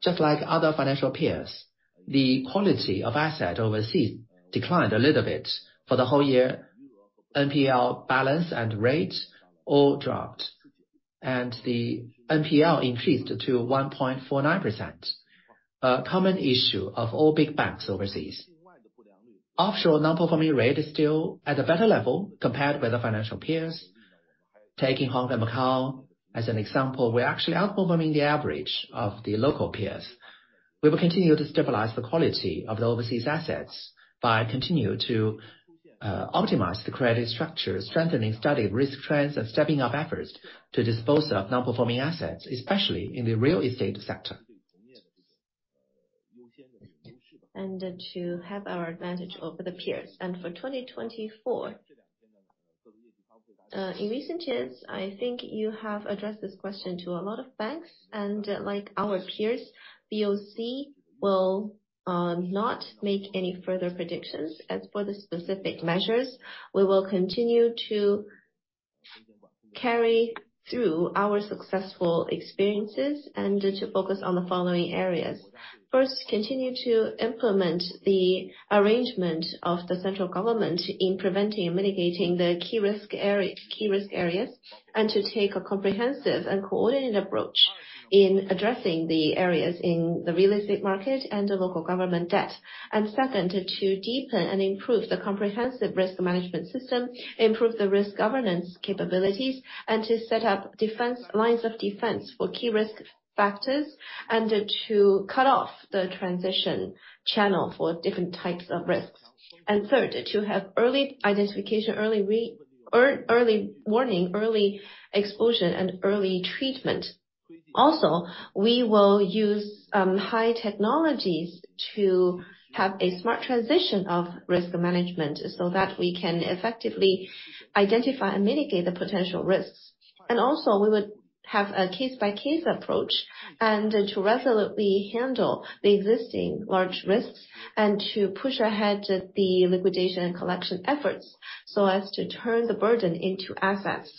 just like other financial peers, the quality of asset overseas declined a little bit. For the whole year, NPL balance and rates all dropped, and the NPL increased to 1.49%. Common issue of all big banks overseas. Offshore non-performing rate is still at a better level compared with the financial peers. Taking Hong Kong Macau as an example, we're actually outperforming the average of the local peers. We will continue to stabilize the quality of the overseas assets by continuing to optimize the credit structure, strengthening the study of risk trends, and stepping up efforts to dispose of non-performing assets, especially in the real estate sector. To have our advantage over the peers. For 2024, in recent years, I think you have addressed this question to a lot of banks, and like our peers, BOC will not make any further predictions. As for the specific measures, we will continue to carry through our successful experiences and to focus on the following areas. First, continue to implement the arrangement of the central government in preventing and mitigating the key risk area, key risk areas, and to take a comprehensive and coordinated approach in addressing the areas in the real estate market and the local government debt. And second, to deepen and improve the comprehensive risk management system, improve the risk governance capabilities, and to set up defense, lines of defense for key risk factors, and to cut off the transition channel for different types of risks. And third, to have early identification, early warning, early exposure, and early treatment. Also, we will use high technologies to have a smart transition of risk management, so that we can effectively identify and mitigate the potential risks. And also, we would have a case-by-case approach, and to resolutely handle the existing large risks, and to push ahead the liquidation and collection efforts, so as to turn the burden into assets.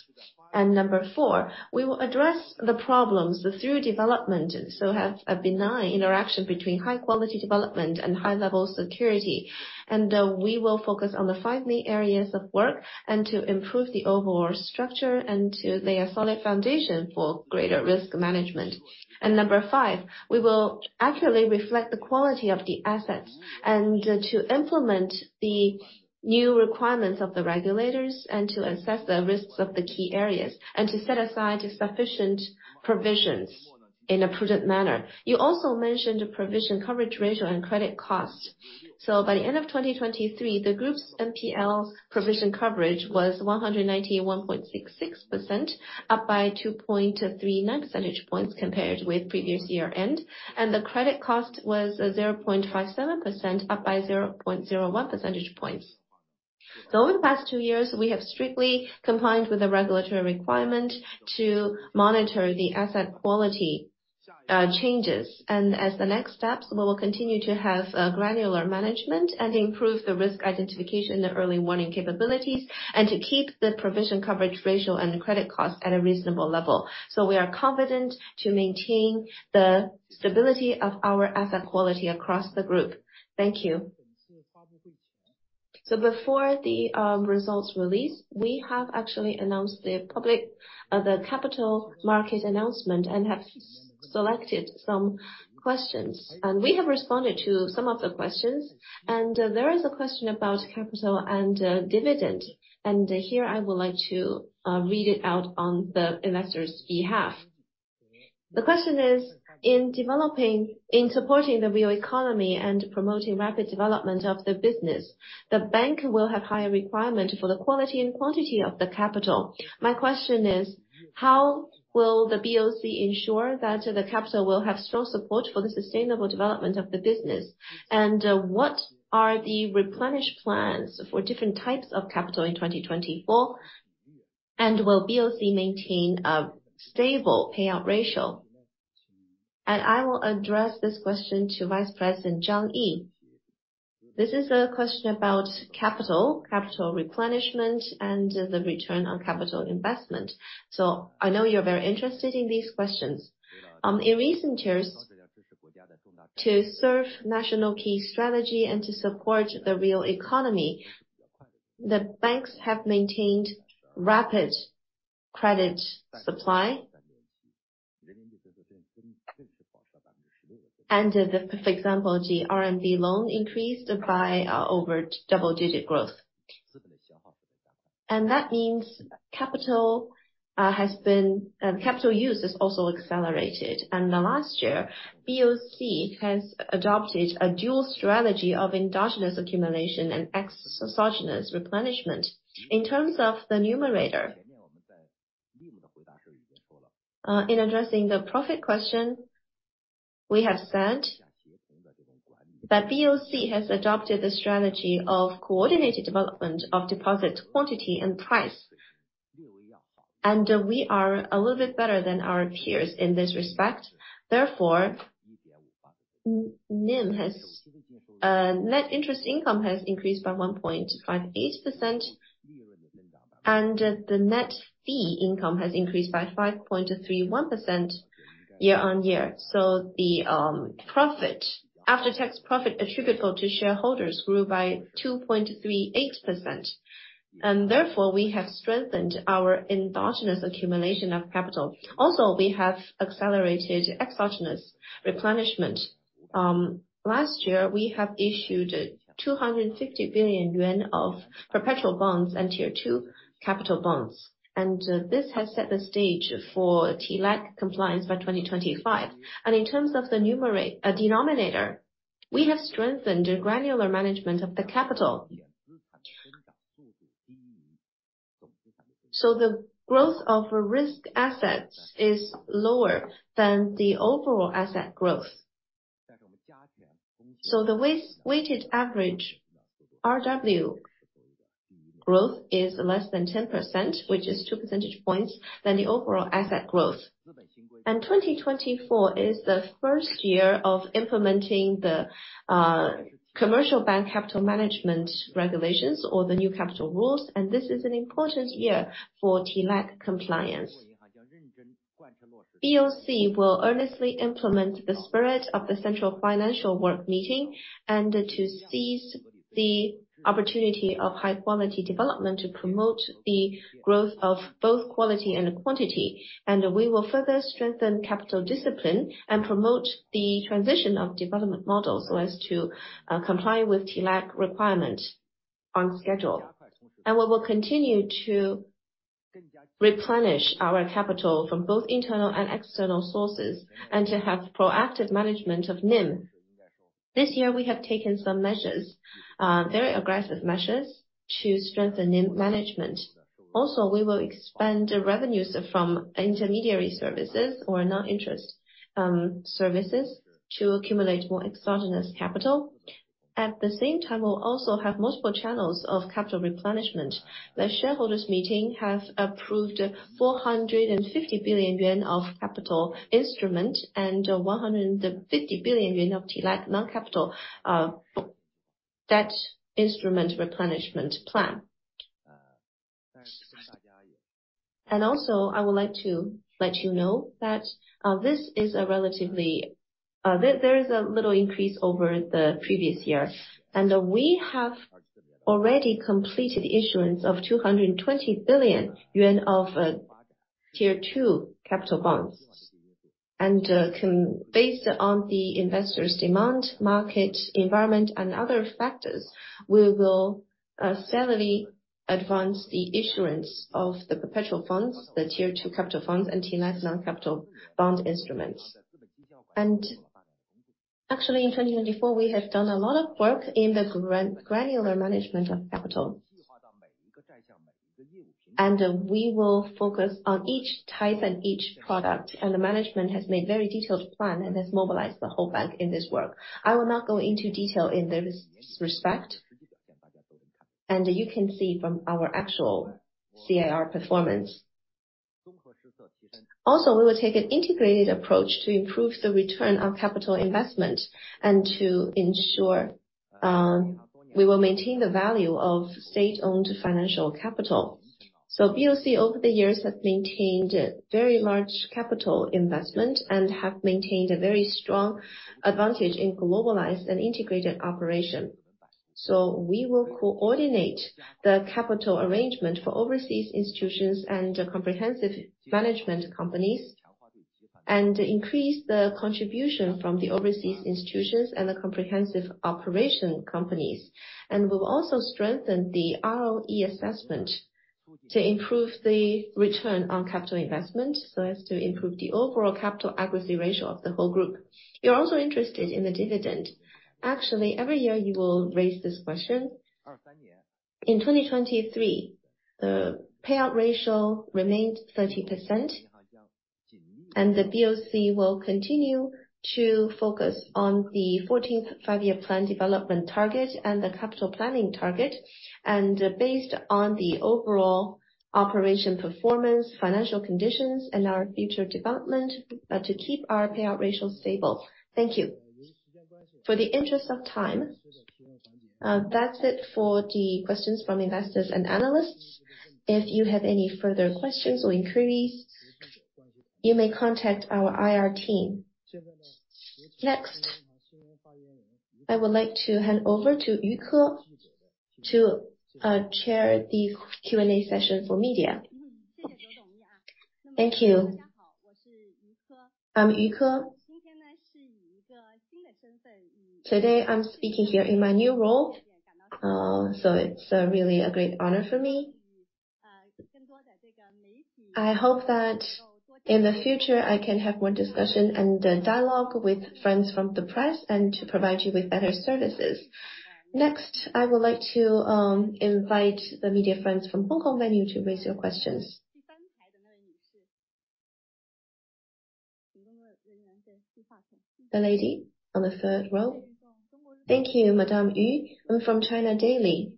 And number four, we will address the problems, the through development, so have a benign interaction between high quality development and high level security. And we will focus on the five main areas of work and to improve the overall structure and to lay a solid foundation for greater risk management. And number five, we will accurately reflect the quality of the assets, and to implement the new requirements of the regulators, and to assess the risks of the key areas, and to set aside sufficient provisions in a prudent manner. You also mentioned the provision coverage ratio and credit costs. So by the end of 2023, the group's NPL provision coverage was 191.66%, up by 2.39 percentage points compared with previous year end, and the credit cost was 0.57%, up by 0.01 percentage points. So over the past 2 years, we have strictly complied with the regulatory requirement to monitor the asset quality, changes. As the next steps, we will continue to have a granular management and improve the risk identification, the early warning capabilities, and to keep the provision coverage ratio and credit costs at a reasonable level. We are confident to maintain the stability of our asset quality across the group. Thank you. Before the results release, we have actually announced the public capital market announcement and have selected some questions, and we have responded to some of the questions. There is a question about capital and dividend. Here I would like to read it out on the investor's behalf. The question is: In supporting the real economy and promoting rapid development of the business, the bank will have higher requirement for the quality and quantity of the capital. My question is: How will the BOC ensure that the capital will have strong support for the sustainable development of the business? And, what are the replenish plans for different types of capital in 2024? And will BOC maintain a stable payout ratio?... And I will address this question to Vice President Zhang Yi. This is a question about capital, capital replenishment, and the return on capital investment. So I know you're very interested in these questions. In recent years, to serve national key strategy and to support the real economy, the banks have maintained rapid credit supply. And, for example, the RMB loan increased by over double-digit growth. And that means capital has been capital use is also accelerated. And the last year, BOC has adopted a dual strategy of endogenous accumulation and exogenous replenishment. In terms of the numerator, in addressing the profit question, we have said that BOC has adopted a strategy of coordinated development of deposit quantity and price. We are a little bit better than our peers in this respect. Therefore, NIM has net interest income has increased by 1.58%, and the net fee income has increased by 5.31% year-on-year. The profit, after-tax profit attributable to shareholders grew by 2.38%, and therefore, we have strengthened our endogenous accumulation of capital. We have accelerated exogenous replenishment. Last year, we have issued 250 billion yuan of perpetual bonds and tier-two capital bonds, and this has set the stage for TLAC compliance by 2025. In terms of the numerator, denominator, we have strengthened the granular management of the capital. So the growth of risk assets is lower than the overall asset growth. So the risk-weighted average RW growth is less than 10%, which is two percentage points less than the overall asset growth. 2024 is the first year of implementing the commercial bank capital management regulations or the new capital rules, and this is an important year for TLAC compliance. BOC will earnestly implement the spirit of the Central Financial Work meeting, and to seize the opportunity of high-quality development to promote the growth of both quality and quantity. And we will further strengthen capital discipline and promote the transition of development models, so as to comply with TLAC requirement on schedule. And we will continue to replenish our capital from both internal and external sources, and to have proactive management of NIM. This year, we have taken some measures, very aggressive measures, to strengthen NIM management. Also, we will expand the revenues from intermediary services or non-interest services, to accumulate more exogenous capital. At the same time, we'll also have multiple channels of capital replenishment. The shareholders' meeting has approved 450 billion yuan of capital instrument and 150 billion yuan of TLAC non-capital debt instrument replenishment plan. And also, I would like to let you know that, this is a relatively... there is a little increase over the previous year, and we have already completed the issuance of 220 billion yuan of tier-two capital bonds. And, based on the investors' demand, market environment, and other factors, we will steadily advance the issuance of the perpetual bonds, the tier-two capital bonds, and TLAC non-capital bond instruments. And actually, in 2024, we have done a lot of work in the granular management of capital. And, we will focus on each type and each product, and the management has made very detailed plan and has mobilized the whole bank in this work. I will not go into detail in this respect, and you can see from our actual CIR performance. Also, we will take an integrated approach to improve the return on capital investment and to ensure we will maintain the value of state-owned financial capital. So BOC, over the years, have maintained a very large capital investment and have maintained a very strong advantage in globalized and integrated operation. We will coordinate the capital arrangement for overseas institutions and comprehensive management companies, and increase the contribution from the overseas institutions and the comprehensive operation companies. We will also strengthen the ROE assessment to improve the return on capital investment, so as to improve the overall capital adequacy ratio of the whole group. You're also interested in the dividend. Actually, every year, you will raise this question. In 2023, the payout ratio remained 30%, and the BOC will continue to focus on the Fourteenth Five-Year Plan development target and the capital planning target, and based on the overall operation performance, financial conditions, and our future development, to keep our payout ratio stable. Thank you. For the interest of time, that's it for the questions from investors and analysts. If you have any further questions or inquiries, you may contact our IR team. Next, I would like to hand over to Yu Ke to chair the Q&A session for media. Thank you. I'm Yu Ke. Today, I'm speaking here in my new role, so it's really a great honor for me. I hope that in the future, I can have more discussion and dialogue with friends from the press, and to provide you with better services. Next, I would like to invite the media friends from Hong Kong venue to raise your questions. The lady on the third row. Thank you, Madame Yu. I'm from China Daily.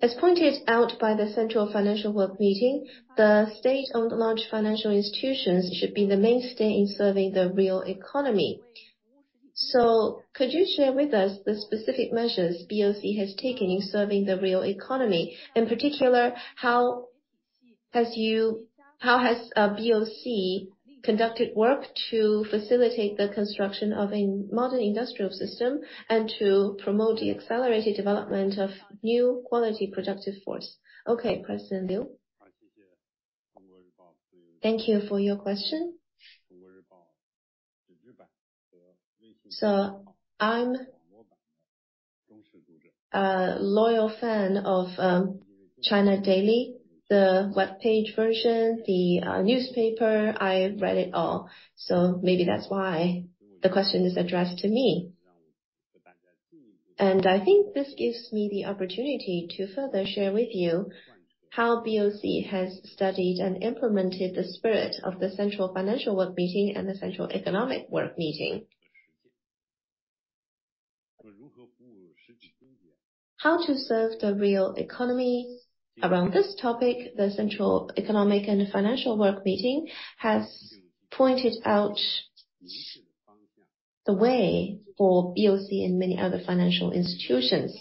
As pointed out by the Central Financial Work Meeting, the state-owned large financial institutions should be the mainstay in serving the real economy. So could you share with us the specific measures BOC has taken in serving the real economy? In particular, how has BOC conducted work to facilitate the construction of a modern industrial system and to promote the accelerated development of new quality productive force? Okay, President Liu. Thank you for your question. So I'm a loyal fan of China Daily, the webpage version, the newspaper, I read it all. So maybe that's why the question is addressed to me. And I think this gives me the opportunity to further share with you how BOC has studied and implemented the spirit of the Central Financial Work Meeting and the Central Economic Work Meeting. How to serve the real economy? Around this topic, the Central Economic and Financial Work Meeting has pointed out the way for BOC and many other financial institutions.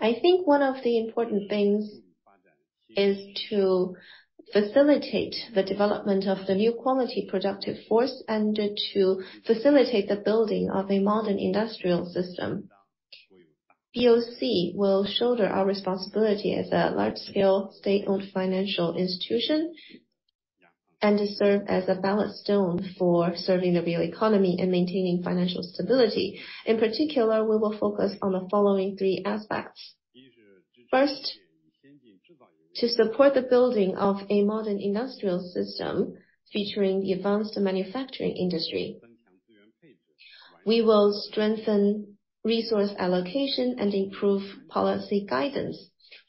I think one of the important things is to facilitate the development of the new quality productive force and to facilitate the building of a modern industrial system. BOC will shoulder our responsibility as a large-scale, state-owned financial institution, and to serve as a ballast stone for serving the real economy and maintaining financial stability. In particular, we will focus on the following three aspects. First, to support the building of a modern industrial system, featuring the advanced manufacturing industry. We will strengthen resource allocation and improve policy guidance,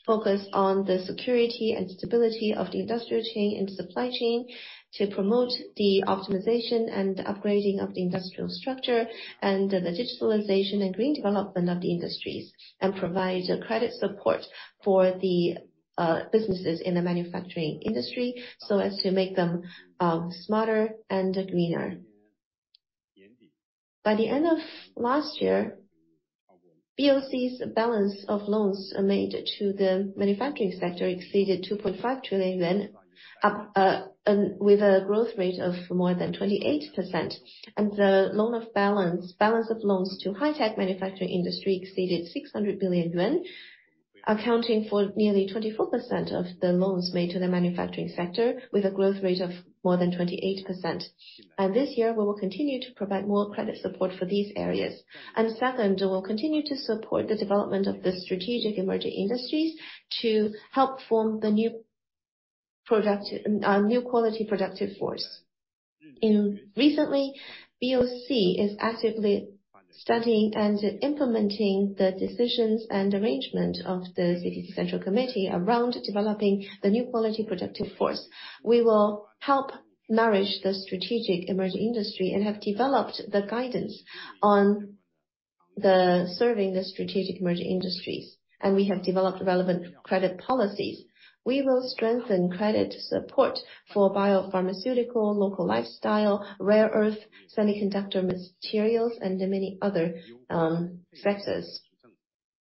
focus on the security and stability of the industrial chain and supply chain to promote the optimization and upgrading of the industrial structure, and the digitalization and green development of the industries, and provide credit support for the businesses in the manufacturing industry, so as to make them smarter and greener. By the end of last year, BOC's balance of loans made to the manufacturing sector exceeded 2.5 trillion yuan, up with a growth rate of more than 28%. The balance of loans to high-tech manufacturing industry exceeded 600 billion yuan, accounting for nearly 24% of the loans made to the manufacturing sector, with a growth rate of more than 28%. This year, we will continue to provide more credit support for these areas. Second, we will continue to support the development of the strategic emerging industries to help form the new productive-- new quality productive force. Recently, BOC is actively studying and implementing the decisions and arrangement of the CPC Central Committee around developing the new quality productive force. We will help nourish the strategic emerging industry and have developed the guidance on the serving the strategic emerging industries, and we have developed relevant credit policies. We will strengthen credit support for biopharmaceutical, local lifestyle, rare earth, semiconductor materials, and many other sectors.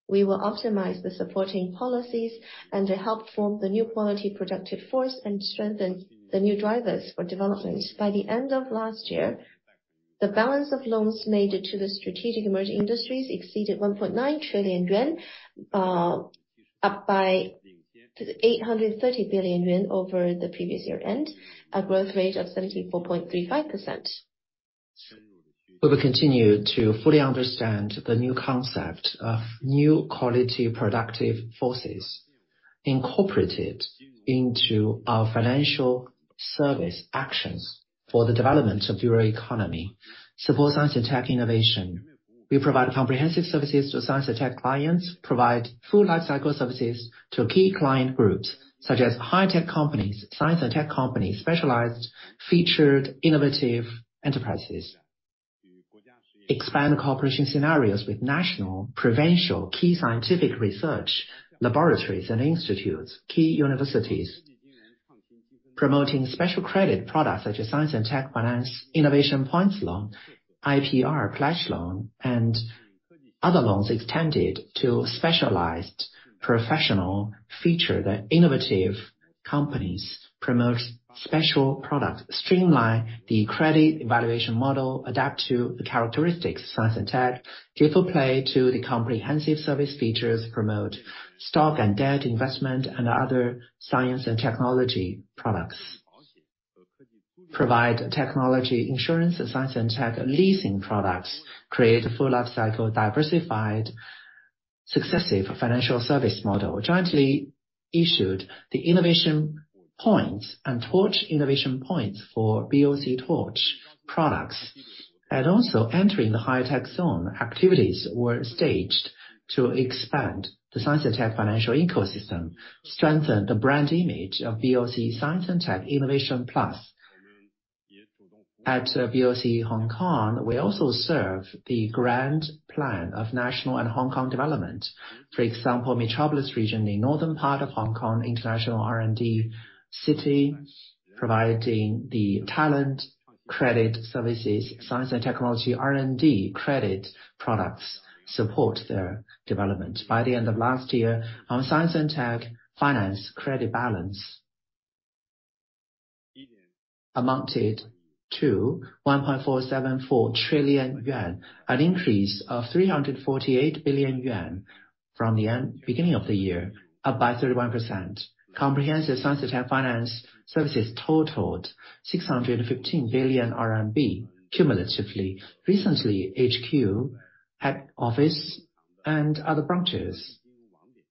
We will optimize the supporting policies and to help form the new quality productive force and strengthen the new drivers for development. By the end of last year, the balance of loans made to the strategic emerging industries exceeded 1.9 trillion yuan, up by 830 billion yuan over the previous year end, a growth rate of 74.35%. We will continue to fully understand the new concept of new quality productive forces, incorporated into our financial service actions for the development of new economy, support science and tech innovation. We provide comprehensive services to science and tech clients, provide full life cycle services to key client groups, such as high-tech companies, science and tech companies, specialized, featured, innovative enterprises. Expand cooperation scenarios with national, provincial, key scientific research, laboratories and institutes, key universities.... promoting special credit products, such as science and tech finance, Innovation Points Loan, IPR Pledge Loan, and other loans extended to specialized professional feature. The innovative companies promote special products, streamline the credit evaluation model, adapt to the characteristics, science and tech, give full play to the comprehensive service features, promote stock and debt investment and other science and technology products. Provide technology insurance and science and tech leasing products, create a full life cycle, diversified successive financial service model, jointly issued the Innovation Points and Torch Innovation Points for BOC Torch products, and also entering the high-tech zone. Activities were staged to expand the science and tech financial ecosystem, strengthen the brand image of BOC Science and Tech Innovation Plus. At BOC Hong Kong, we also serve the grand plan of national and Hong Kong development. For example, metropolis region in northern part of Hong Kong, international R&D city, providing the talent, credit services, science and technology, R&D credit products, support their development. By the end of last year, our science and tech finance credit balance amounted to 1.474 trillion yuan, an increase of 348 billion yuan from the beginning of the year, up by 31%. Comprehensive science and tech finance services totaled 615 billion RMB, cumulatively. Recently, HQ, head office, and other branches,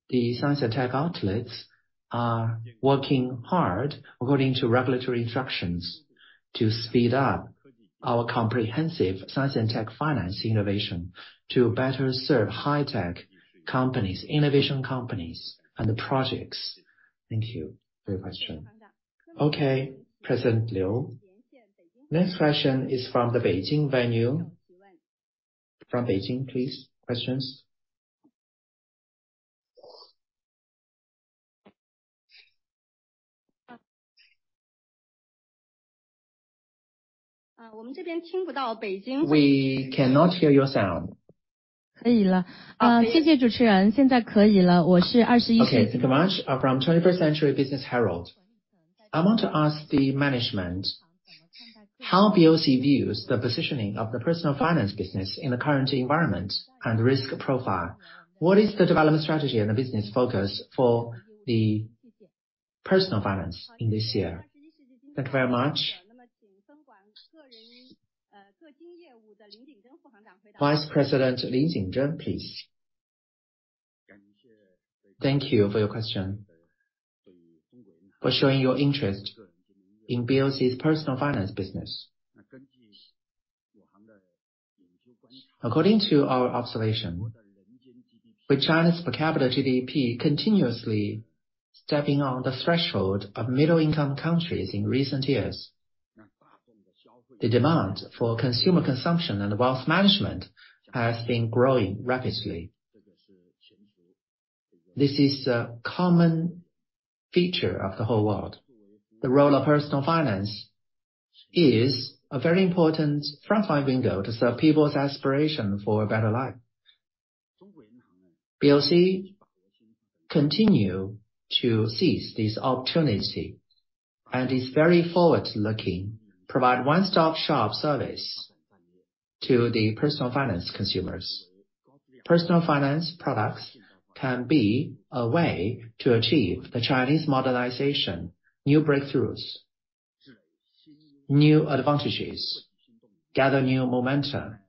the science and tech outlets are working hard according to regulatory instructions to speed up our comprehensive science and tech finance innovation, to better serve high-tech companies, innovation companies, and the projects. Thank you for your question. Okay, President Liu. Next question is from the Beijing venue. From Beijing, please, questions? We cannot hear your sound. Okay, thank you much. From Twenty-First Century Business Herald. I want to ask the management how BOC views the positioning of the personal finance business in the current environment and risk profile? What is the development strategy and the business focus for the personal finance in this year? Thank you very much. Vice President Lin Jingzhen, please. Thank you for your question, for showing your interest in BOC's personal finance business. According to our observation, with China's per capita GDP continuously stepping on the threshold of middle-income countries in recent years, the demand for consumer consumption and wealth management has been growing rapidly. This is a common feature of the whole world. The role of personal finance is a very important frontline window to serve people's aspiration for a better life. BOC continue to seize this opportunity and is very forward-looking, provide one-stop shop service to the personal finance consumers. Personal finance products can be a way to achieve the Chinese modernization, new breakthroughs, new advantages, gather new momentum.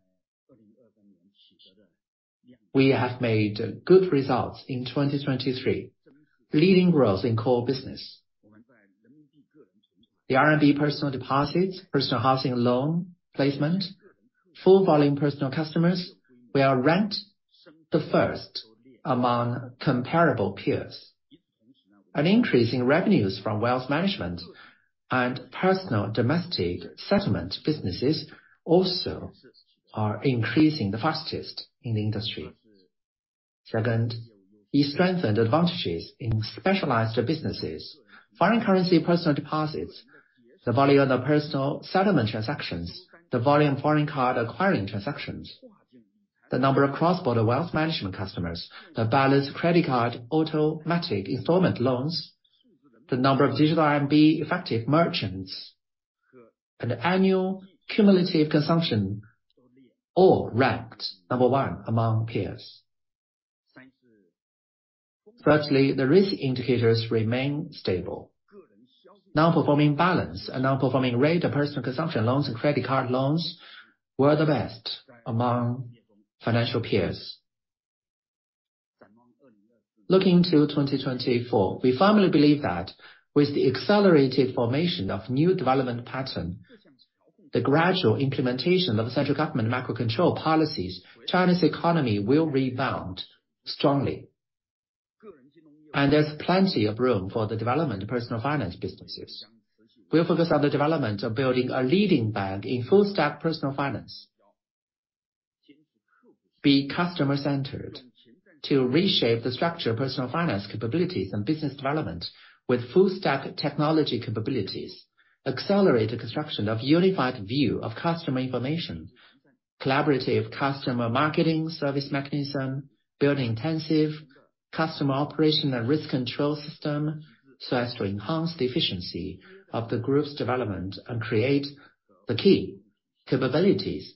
We have made good results in 2023, leading growth in core business. The RMB personal deposits, personal housing loan placement, full volume personal customers, we are ranked the first among comparable peers. An increase in revenues from wealth management and personal domestic settlement businesses also are increasing the fastest in the industry. Second, we strengthened advantages in specialized businesses. Foreign currency personal deposits, the volume of personal settlement transactions, the volume of foreign card acquiring transactions, the number of cross-border wealth management customers, the balance credit card, automatic installment loans, the number of digital RMB effective merchants, and annual cumulative consumption, all ranked number one among peers. Thirdly, the risk indicators remain stable. Non-performing balance and non-performing rate of personal consumption loans and credit card loans were the best among financial peers. Looking to 2024, we firmly believe that with the accelerated formation of new development pattern, the gradual implementation of the central government macro control policies, China's economy will rebound strongly, and there's plenty of room for the development of personal finance businesses. We'll focus on the development of building a leading bank in full stack personal finance... be customer-centered, to reshape the structure of personal finance capabilities and business development with full stack technology capabilities, accelerate the construction of unified view of customer information, collaborative customer marketing service mechanism, build intensive customer operation and risk control system, so as to enhance the efficiency of the group's development and create the key capabilities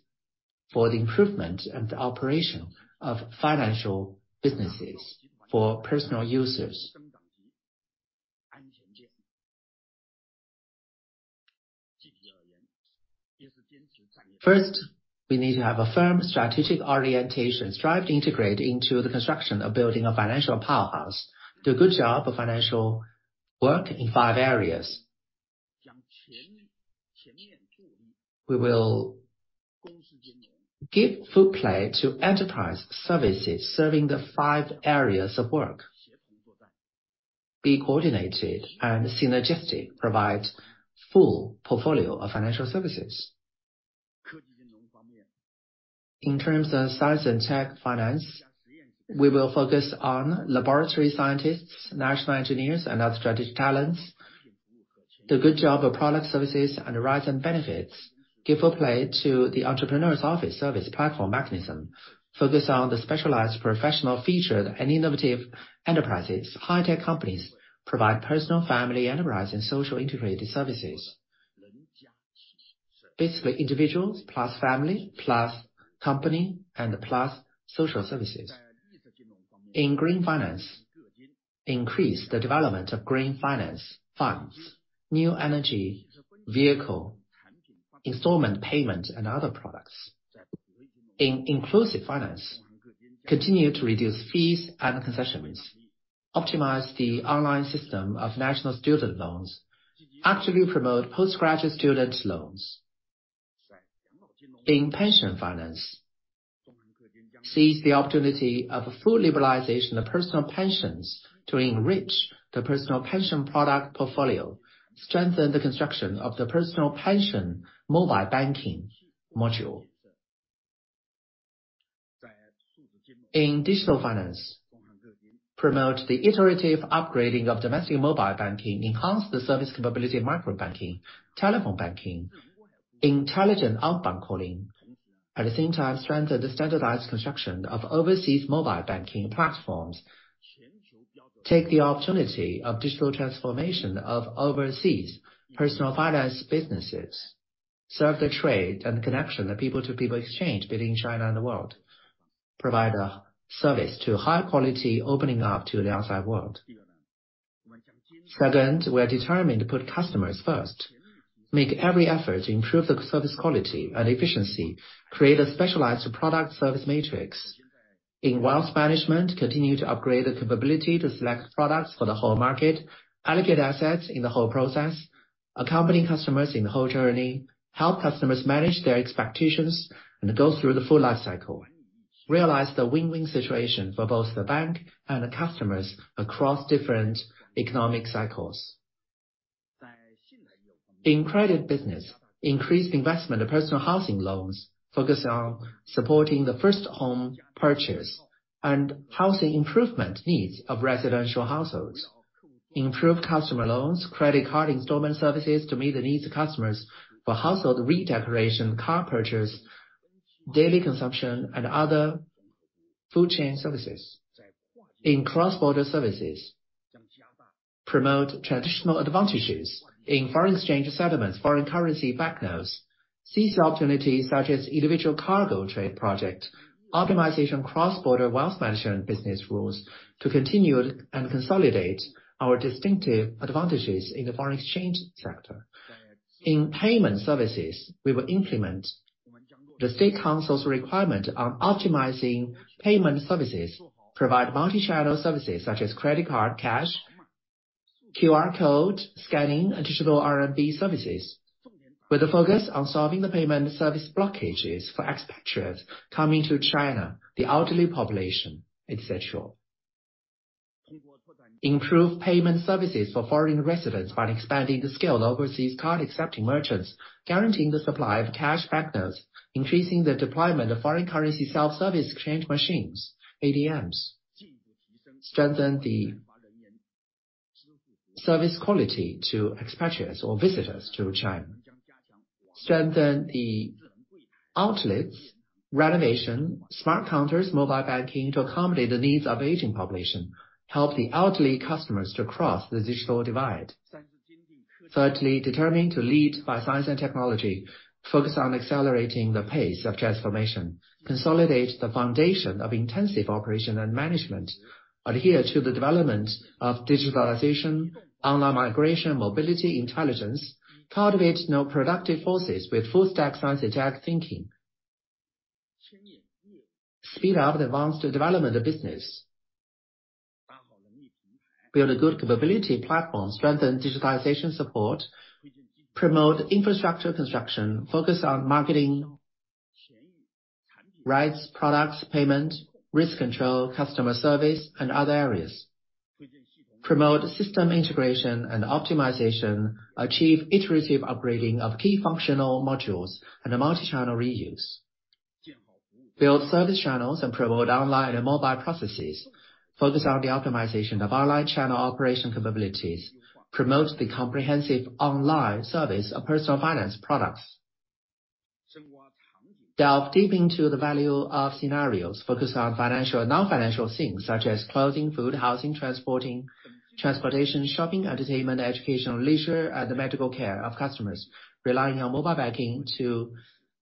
for the improvement and the operation of financial businesses for personal users. First, we need to have a firm strategic orientation, strive to integrate into the construction of building a financial powerhouse, do a good job of financial work in five areas. We will give full play to enterprise services, serving the five areas of work. Be coordinated and synergistic, provide full portfolio of financial services. In terms of science and tech finance, we will focus on laboratory scientists, national engineers, and other strategic talents. The good job of product services and rights and benefits give full play to the entrepreneur's office service platform mechanism. Focus on the specialized professional featured and innovative enterprises. High-tech companies provide personal, family, enterprise, and social integrated services. Basically, individuals plus family, plus company, and plus social services. In green finance, increase the development of green finance funds, new energy vehicle, installment payment, and other products. In inclusive finance, continue to reduce fees and concessions, optimize the online system of national student loans, actively promote postgraduate student loans. In pension finance, seize the opportunity of full liberalization of personal pensions to enrich the personal pension product portfolio, strengthen the construction of the personal pension mobile banking module. In digital finance, promote the iterative upgrading of domestic mobile banking, enhance the service capability of microbanking, telephone banking, intelligent outbound calling. At the same time, strengthen the standardized construction of overseas mobile banking platforms. Take the opportunity of digital transformation of overseas personal finance businesses, serve the trade and connection of people-to-people exchange between China and the world. Provide a service to high quality opening up to the outside world. Second, we are determined to put customers first, make every effort to improve the service quality and efficiency, create a specialized product service matrix. In wealth management, continue to upgrade the capability to select products for the whole market, allocate assets in the whole process, accompany customers in the whole journey, help customers manage their expectations, and go through the full life cycle. Realize the win-win situation for both the bank and the customers across different economic cycles. In credit business, increase investment of personal housing loans, focus on supporting the first home purchase and housing improvement needs of residential households. Improve customer loans, credit card installment services to meet the needs of customers for household redecoration, car purchase, daily consumption, and other food chain services. In cross-border services, promote traditional advantages. In foreign exchange settlements, foreign currency banknotes, seize opportunities such as individual cargo trade project, optimization cross-border wealth management business rules to continue and consolidate our distinctive advantages in the foreign exchange sector. In payment services, we will implement the State Council's requirement on optimizing payment services, provide multi-channel services such as credit card, cash, QR code, scanning, and digital RMB services, with a focus on solving the payment service blockages for expatriates coming to China, the elderly population, et cetera. Improve payment services for foreign residents by expanding the scale of overseas card-accepting merchants, guaranteeing the supply of cash banknotes, increasing the deployment of foreign currency self-service exchange machines, ADMs. Strengthen the service quality to expatriates or visitors to China. Strengthen the outlets, renovation, smart counters, mobile banking to accommodate the needs of aging population, help the elderly customers to cross the digital divide. Thirdly, determining to lead by science and technology, focus on accelerating the pace of transformation, consolidate the foundation of intensive operation and management, adhere to the development of digitalization, online migration, mobility, intelligence, cultivate new productive forces with full stack science and tech thinking. Speed up the advanced development of business. Build a good capability platform, strengthen digitization support, promote infrastructure construction, focus on marketing, rights, products, payment, risk control, customer service, and other areas.... Promote system integration and optimization, achieve iterative upgrading of key functional modules and a multi-channel reuse. Build service channels and promote online and mobile processes. Focus on the optimization of online channel operation capabilities. Promote the comprehensive online service of personal finance products. Delve deep into the value of scenarios. Focus on financial and non-financial things, such as clothing, food, housing, transportation, shopping, entertainment, education, leisure, and the medical care of customers, relying on mobile banking to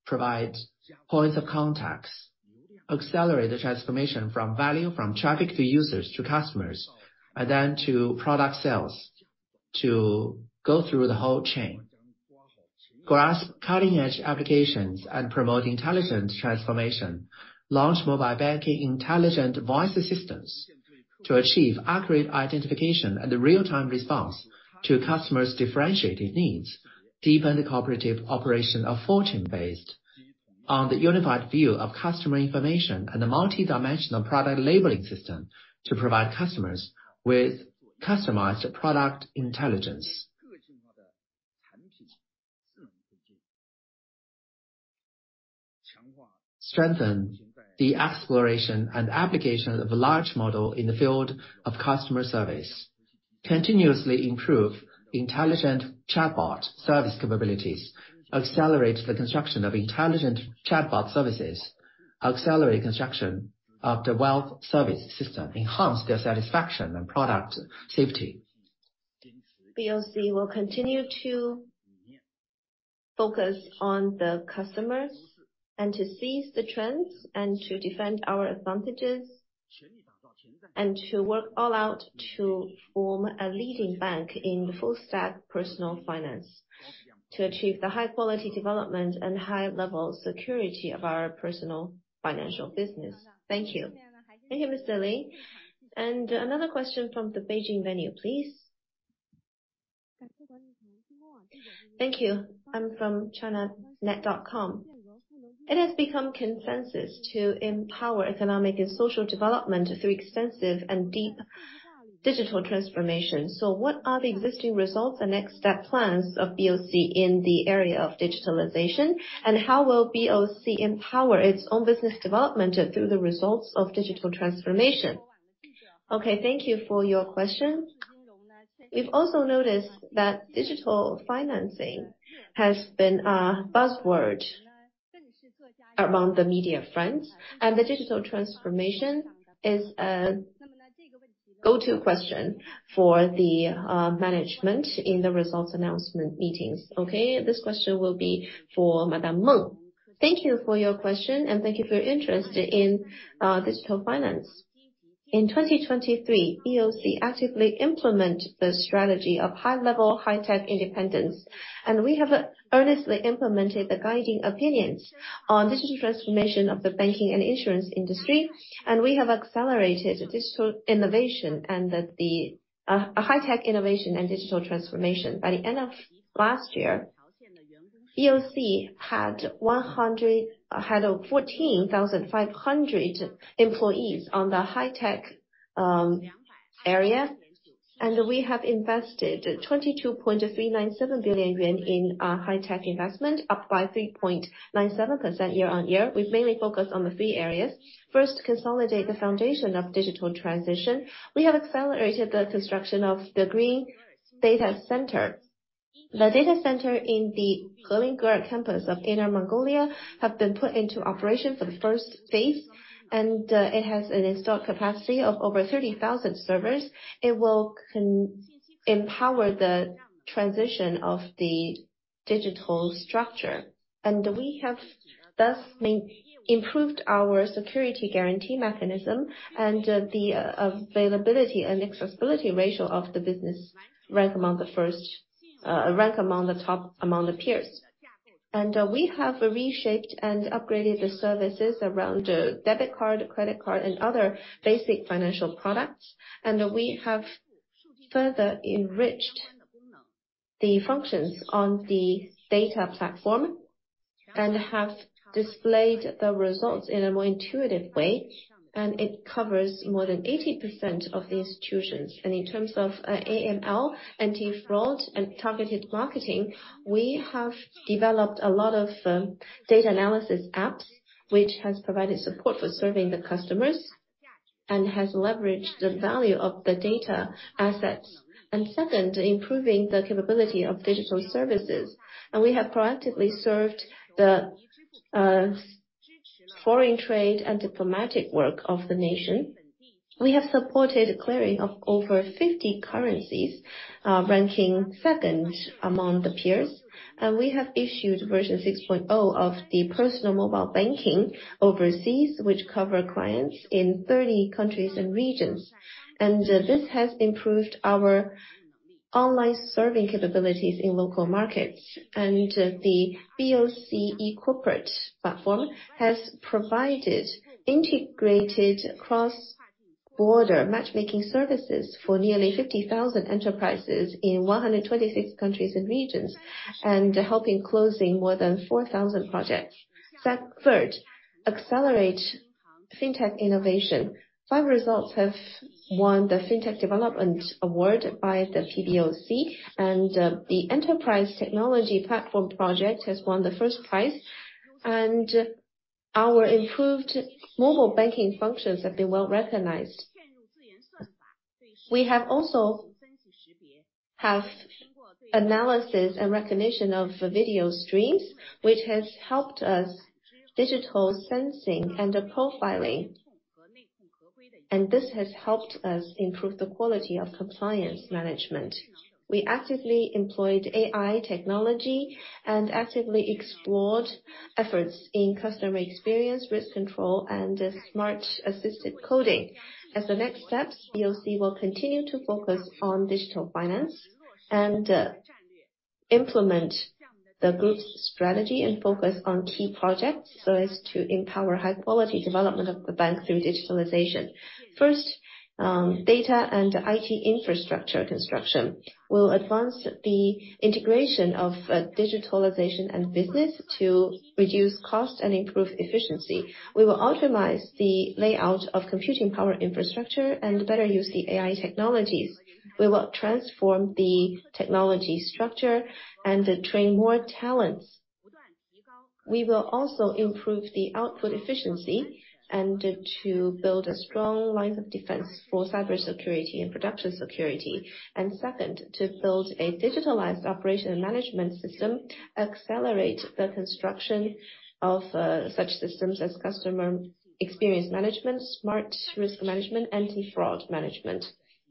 provide points of contacts. Accelerate the transformation from value, from traffic to users to customers, and then to product sales, to go through the whole chain. Grasp cutting-edge applications and promote intelligent transformation. Launch mobile banking intelligent voice assistants to achieve accurate identification and real-time response to customers' differentiated needs. Deepen the cooperative operation of fortune based on the unified view of customer information and a multidimensional product labeling system to provide customers with customized product intelligence. Strengthen the exploration and application of a large model in the field of customer service. Continuously improve intelligent chatbot service capabilities. Accelerate the construction of intelligent chatbot services. Accelerate construction of the wealth service system, enhance their satisfaction and product safety. BOC will continue to focus on the customers and to seize the trends and to defend our advantages, and to work all out to form a leading bank in the full stack personal finance, to achieve the high quality development and high level security of our personal financial business. Thank you. Thank you, Mr. Lin. And another question from the Beijing venue, please. Thank you. I'm from Chinanet.com. It has become consensus to empower economic and social development through extensive and deep digital transformation. So what are the existing results and next step plans of BOC in the area of digitalization? And how will BOC empower its own business development through the results of digital transformation? Okay, thank you for your question. We've also noticed that digital financing has been a buzzword among the media front, and the digital transformation is a go-to question for the management in the results announcement meetings. Okay, this question will be for Madam Meng. Thank you for your question, and thank you for your interest in digital finance. In 2023, BOC actively implement the strategy of high level, high-tech independence, and we have earnestly implemented the guiding opinions on digital transformation of the banking and insurance industry, and we have accelerated digital innovation and that the high-tech innovation and digital transformation. By the end of last year, BOC had 14,500 employees on the high-tech area, and we have invested 22.397 billion yuan in high-tech investment, up by 3.97% year-on-year. We've mainly focused on the three areas. First, consolidate the foundation of digital transition. We have accelerated the construction of the green data center. The data center in the Horinger campus of Inner Mongolia have been put into operation for the first phase, and it has an installed capacity of over 30,000 servers. It will empower the transition of the digital structure. And we have thus improved our security guarantee mechanism and the availability and accessibility ratio of the business rank among the first, rank among the top among the peers. And we have reshaped and upgraded the services around the debit card, credit card, and other basic financial products. And we have further enriched the functions on the data platform and have displayed the results in a more intuitive way, and it covers more than 80% of the institutions. In terms of AML, anti-fraud, and targeted marketing, we have developed a lot of data analysis apps, which has provided support for serving the customers and has leveraged the value of the data assets. Second, improving the capability of digital services. We have proactively served the foreign trade and diplomatic work of the nation. We have supported clearing of over 50 currencies, ranking second among the peers, and we have issued version 6.0 of the personal mobile banking overseas, which cover clients in 30 countries and regions. This has improved our online serving capabilities in local markets. The BOC e-corporate platform has provided integrated cross-border matchmaking services for nearly 50,000 enterprises in 126 countries and regions, and helping closing more than 4,000 projects. Third, accelerating Fintech innovation. Five results have won the Fintech Development Award by the PBOC, and the Enterprise Technology Platform project has won the first prize, and our improved mobile banking functions have been well recognized. We also have analysis and recognition of video streams, which has helped us digital sensing and profiling, and this has helped us improve the quality of compliance management. We actively employed AI technology and actively explored efforts in customer experience, risk control, and smart assisted coding. As the next steps, BOC will continue to focus on digital finance and implement the group's strategy and focus on key projects, so as to empower high quality development of the bank through digitalization. First, data and IT infrastructure construction will advance the integration of digitalization and business to reduce cost and improve efficiency. We will optimize the layout of computing power infrastructure and better use the AI technologies. We will transform the technology structure and train more talents. We will also improve the output efficiency and to build a strong line of defense for cybersecurity and production security. And second, to build a digitalized operation and management system, accelerate the construction of such systems as customer experience management, smart risk management, and anti-fraud management.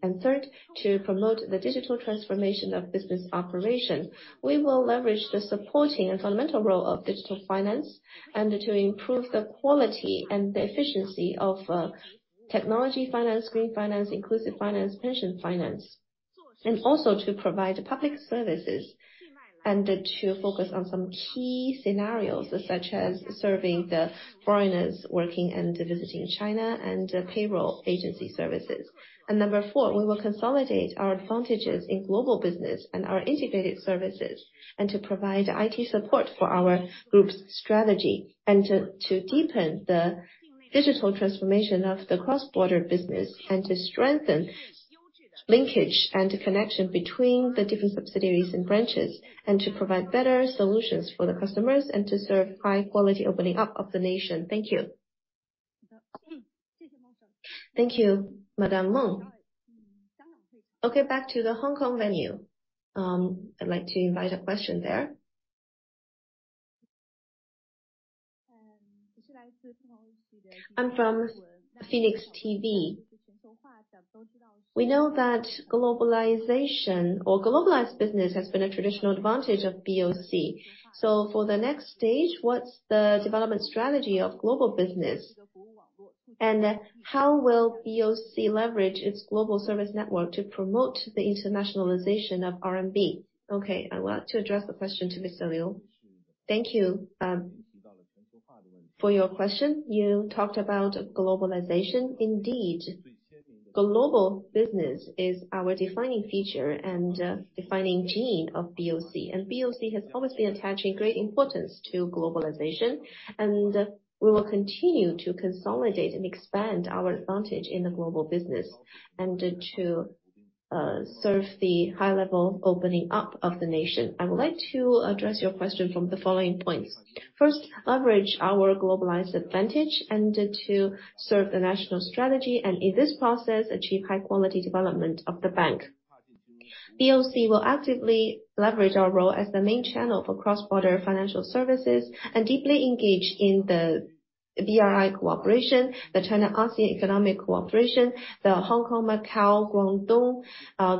And third, to promote the digital transformation of business operation. We will leverage the supporting and fundamental role of digital finance, and to improve the quality and the efficiency of technology finance, green finance, inclusive finance, pension finance, and also to provide public services, and to focus on some key scenarios, such as serving the foreigners working and visiting China, and payroll agency services. And number four, we will consolidate our advantages in global business and our integrated services, and to provide IT support for our group's strategy, and to deepen the digital transformation of the cross-border business, and to strengthen linkage and connection between the different subsidiaries and branches, and to provide better solutions for the customers, and to serve high quality opening up of the nation. Thank you. Thank you, Madame Meng. Okay, back to the Hong Kong venue. I'd like to invite a question there. I'm from Phoenix TV. We know that globalization or globalized business has been a traditional advantage of BOC. So for the next stage, what's the development strategy of global business? And how will BOC leverage its global service network to promote the internationalization of RMB? Okay, I want to address the question to Mr. Liu. Thank you, for your question. You talked about globalization. Indeed, global business is our defining feature and defining gene of BOC, and BOC has obviously attaching great importance to globalization, and we will continue to consolidate and expand our advantage in the global business, and to serve the high level opening up of the nation. I would like to address your question from the following points. First, leverage our globalized advantage and to serve the national strategy, and in this process, achieve high quality development of the bank. BOC will actively leverage our role as the main channel for cross-border financial services, and deeply engage in the BRI cooperation, the China-ASEAN economic cooperation, the Hong Kong, Macau, Guangdong,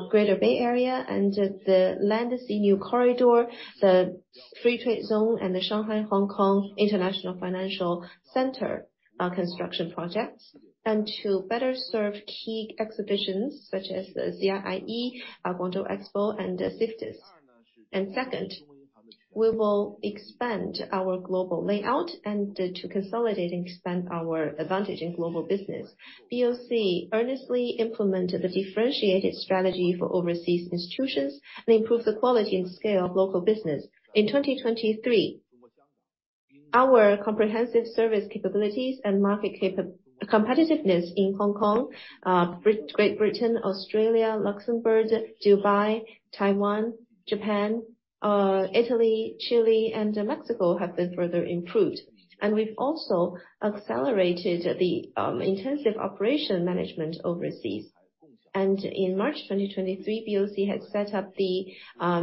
Greater Bay Area, and the Land-Sea New Corridor, the free trade zone, and the Shanghai-Hong Kong International Financial Center construction projects. To better serve key exhibitions such as the CIIE, Guangdong Expo and the Services. Second, we will expand our global layout and to consolidate and expand our advantage in global business. BOC earnestly implemented a differentiated strategy for overseas institutions, and improved the quality and scale of local business. In 2023, our comprehensive service capabilities and market competitiveness in Hong Kong, Great Britain, Australia, Luxembourg, Dubai, Taiwan, Japan, Italy, Chile, and Mexico, have been further improved. We've also accelerated the intensive operation management overseas. In March 2023, BOC has set up the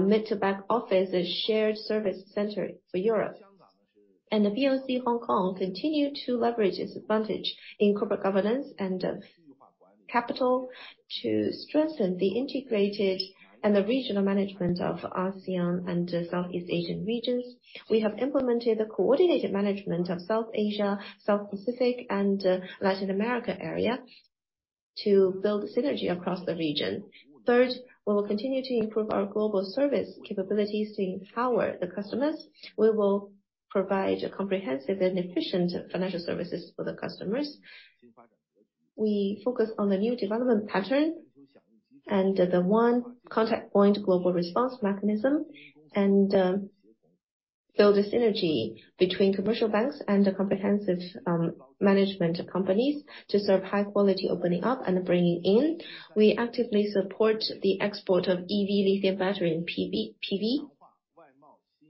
mid-to-back office, a shared service center for Europe. The BOC Hong Kong continued to leverage its advantage in corporate governance and capital, to strengthen the integrated and the regional management of ASEAN and Southeast Asian regions. We have implemented the coordinated management of South Asia, South Pacific, and Latin America area to build synergy across the region. Third, we will continue to improve our global service capabilities to empower the customers. We will provide a comprehensive and efficient financial services for the customers. We focus on the new development pattern and the One Contact Point Global Response Mechanism and build a synergy between commercial banks and the comprehensive management companies to serve high quality opening up and bringing in. We actively support the export of EV lithium battery and PB,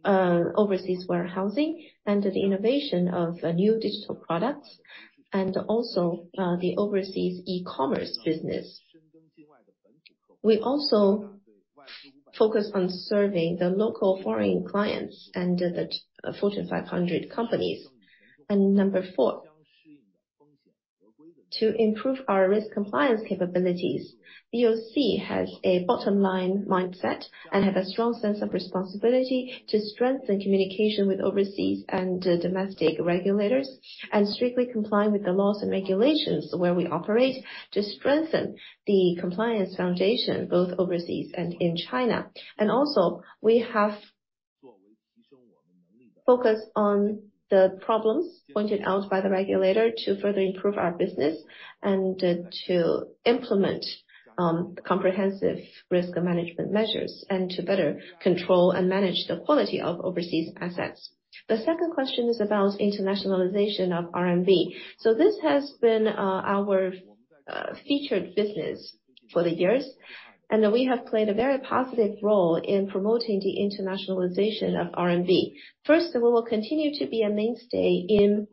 PV, overseas warehousing, and the innovation of new digital products, and also, the overseas e-commerce business. We also focus on serving the local foreign clients and the Fortune 500 companies. And number four, to improve our risk compliance capabilities. BOC has a bottom-line mindset, and have a strong sense of responsibility to strengthen communication with overseas and domestic regulators, and strictly complying with the laws and regulations where we operate to strengthen the compliance foundation, both overseas and in China. And also, we have focused on the problems pointed out by the regulator to further improve our business and to implement, comprehensive risk management measures, and to better control and manage the quality of overseas assets. The second question is about internationalization of RMB. So this has been, our, featured business for the years, and we have played a very positive role in promoting the internationalization of RMB. First, we will continue to be a mainstay in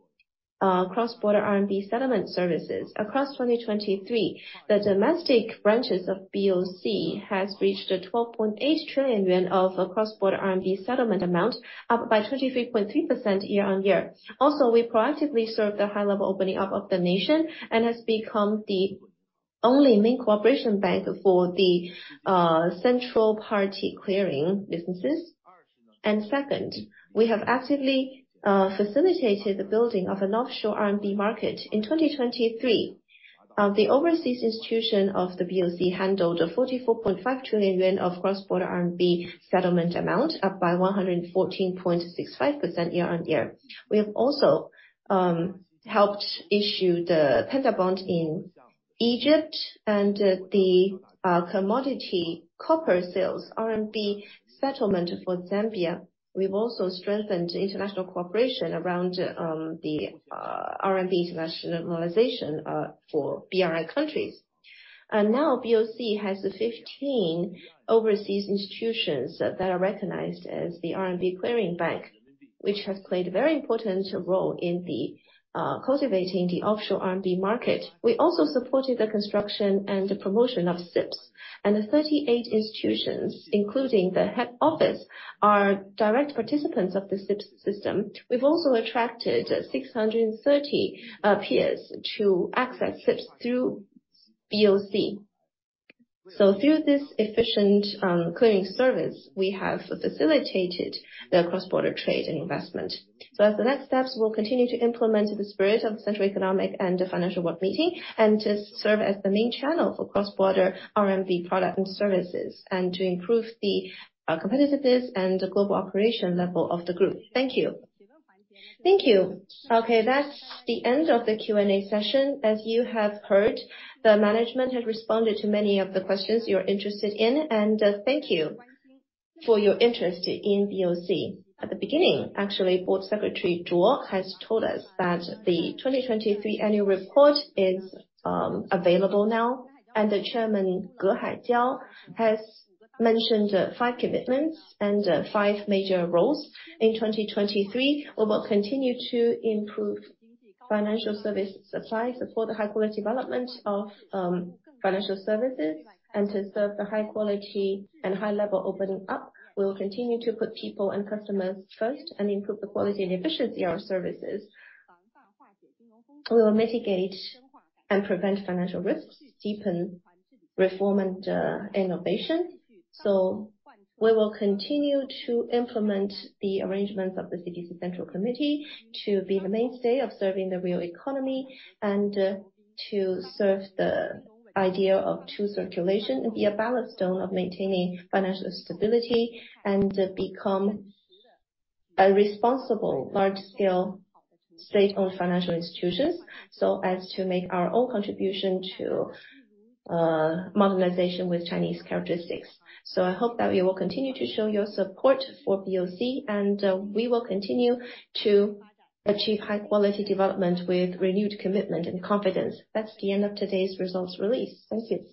cross-border RMB settlement services. Across 2023, the domestic branches of BOC has reached 12.8 trillion yuan of cross-border RMB settlement amount, up by 23.3% year-on-year. Also, we proactively serve the high level opening up of the nation, and has become the only main cooperation bank for the central party clearing businesses. And second, we have actively facilitated the building of an offshore RMB market. In 2023, the overseas institution of the BOC handled 44.5 trillion yuan of cross-border RMB settlement amount, up by 114.65% year-on-year. We have also helped issue the panda bond in Egypt and the commodity copper sales RMB settlement for Zambia. We've also strengthened international cooperation around the RMB internationalization for BRI countries. And now, BOC has 15 overseas institutions that are recognized as the RMB clearing bank, which has played a very important role in cultivating the offshore RMB market. We also supported the construction and the promotion of CIPS, and the 38 institutions, including the head office, are direct participants of the CIPS system. We've also attracted 630 peers to access CIPS through BOC. So through this efficient clearing service, we have facilitated the cross-border trade and investment. So as the next steps, we'll continue to implement the spirit of Central Economic and the Financial Work Meeting, and to serve as the main channel for cross-border RMB product and services, and to improve the competitiveness and global operation level of the group. Thank you. Thank you. Okay, that's the end of the Q&A session. As you have heard, the management has responded to many of the questions you're interested in, and thank you for your interest in BOC. At the beginning, actually, Board Secretary Zhuo has told us that the 2023 annual report is available now, and Chairman Ge Haijiao has mentioned five commitments and five major roles. In 2023, we will continue to improve financial service supply, support the high-quality development of financial services, and to serve the high quality and high-level opening up. We will continue to put people and customers first, and improve the quality and efficiency of our services. We will mitigate and prevent financial risks, deepen reform and, innovation. We will continue to implement the arrangements of the CPC Central Committee to be the mainstay of serving the real economy, and, to serve the idea of two circulation, and be a ballast stone of maintaining financial stability, and become a responsible, large-scale, state-owned financial institutions, so as to make our own contribution to, modernization with Chinese characteristics. I hope that you will continue to show your support for BOC, and, we will continue to achieve high quality development with renewed commitment and confidence. That's the end of today's results release. Thank you.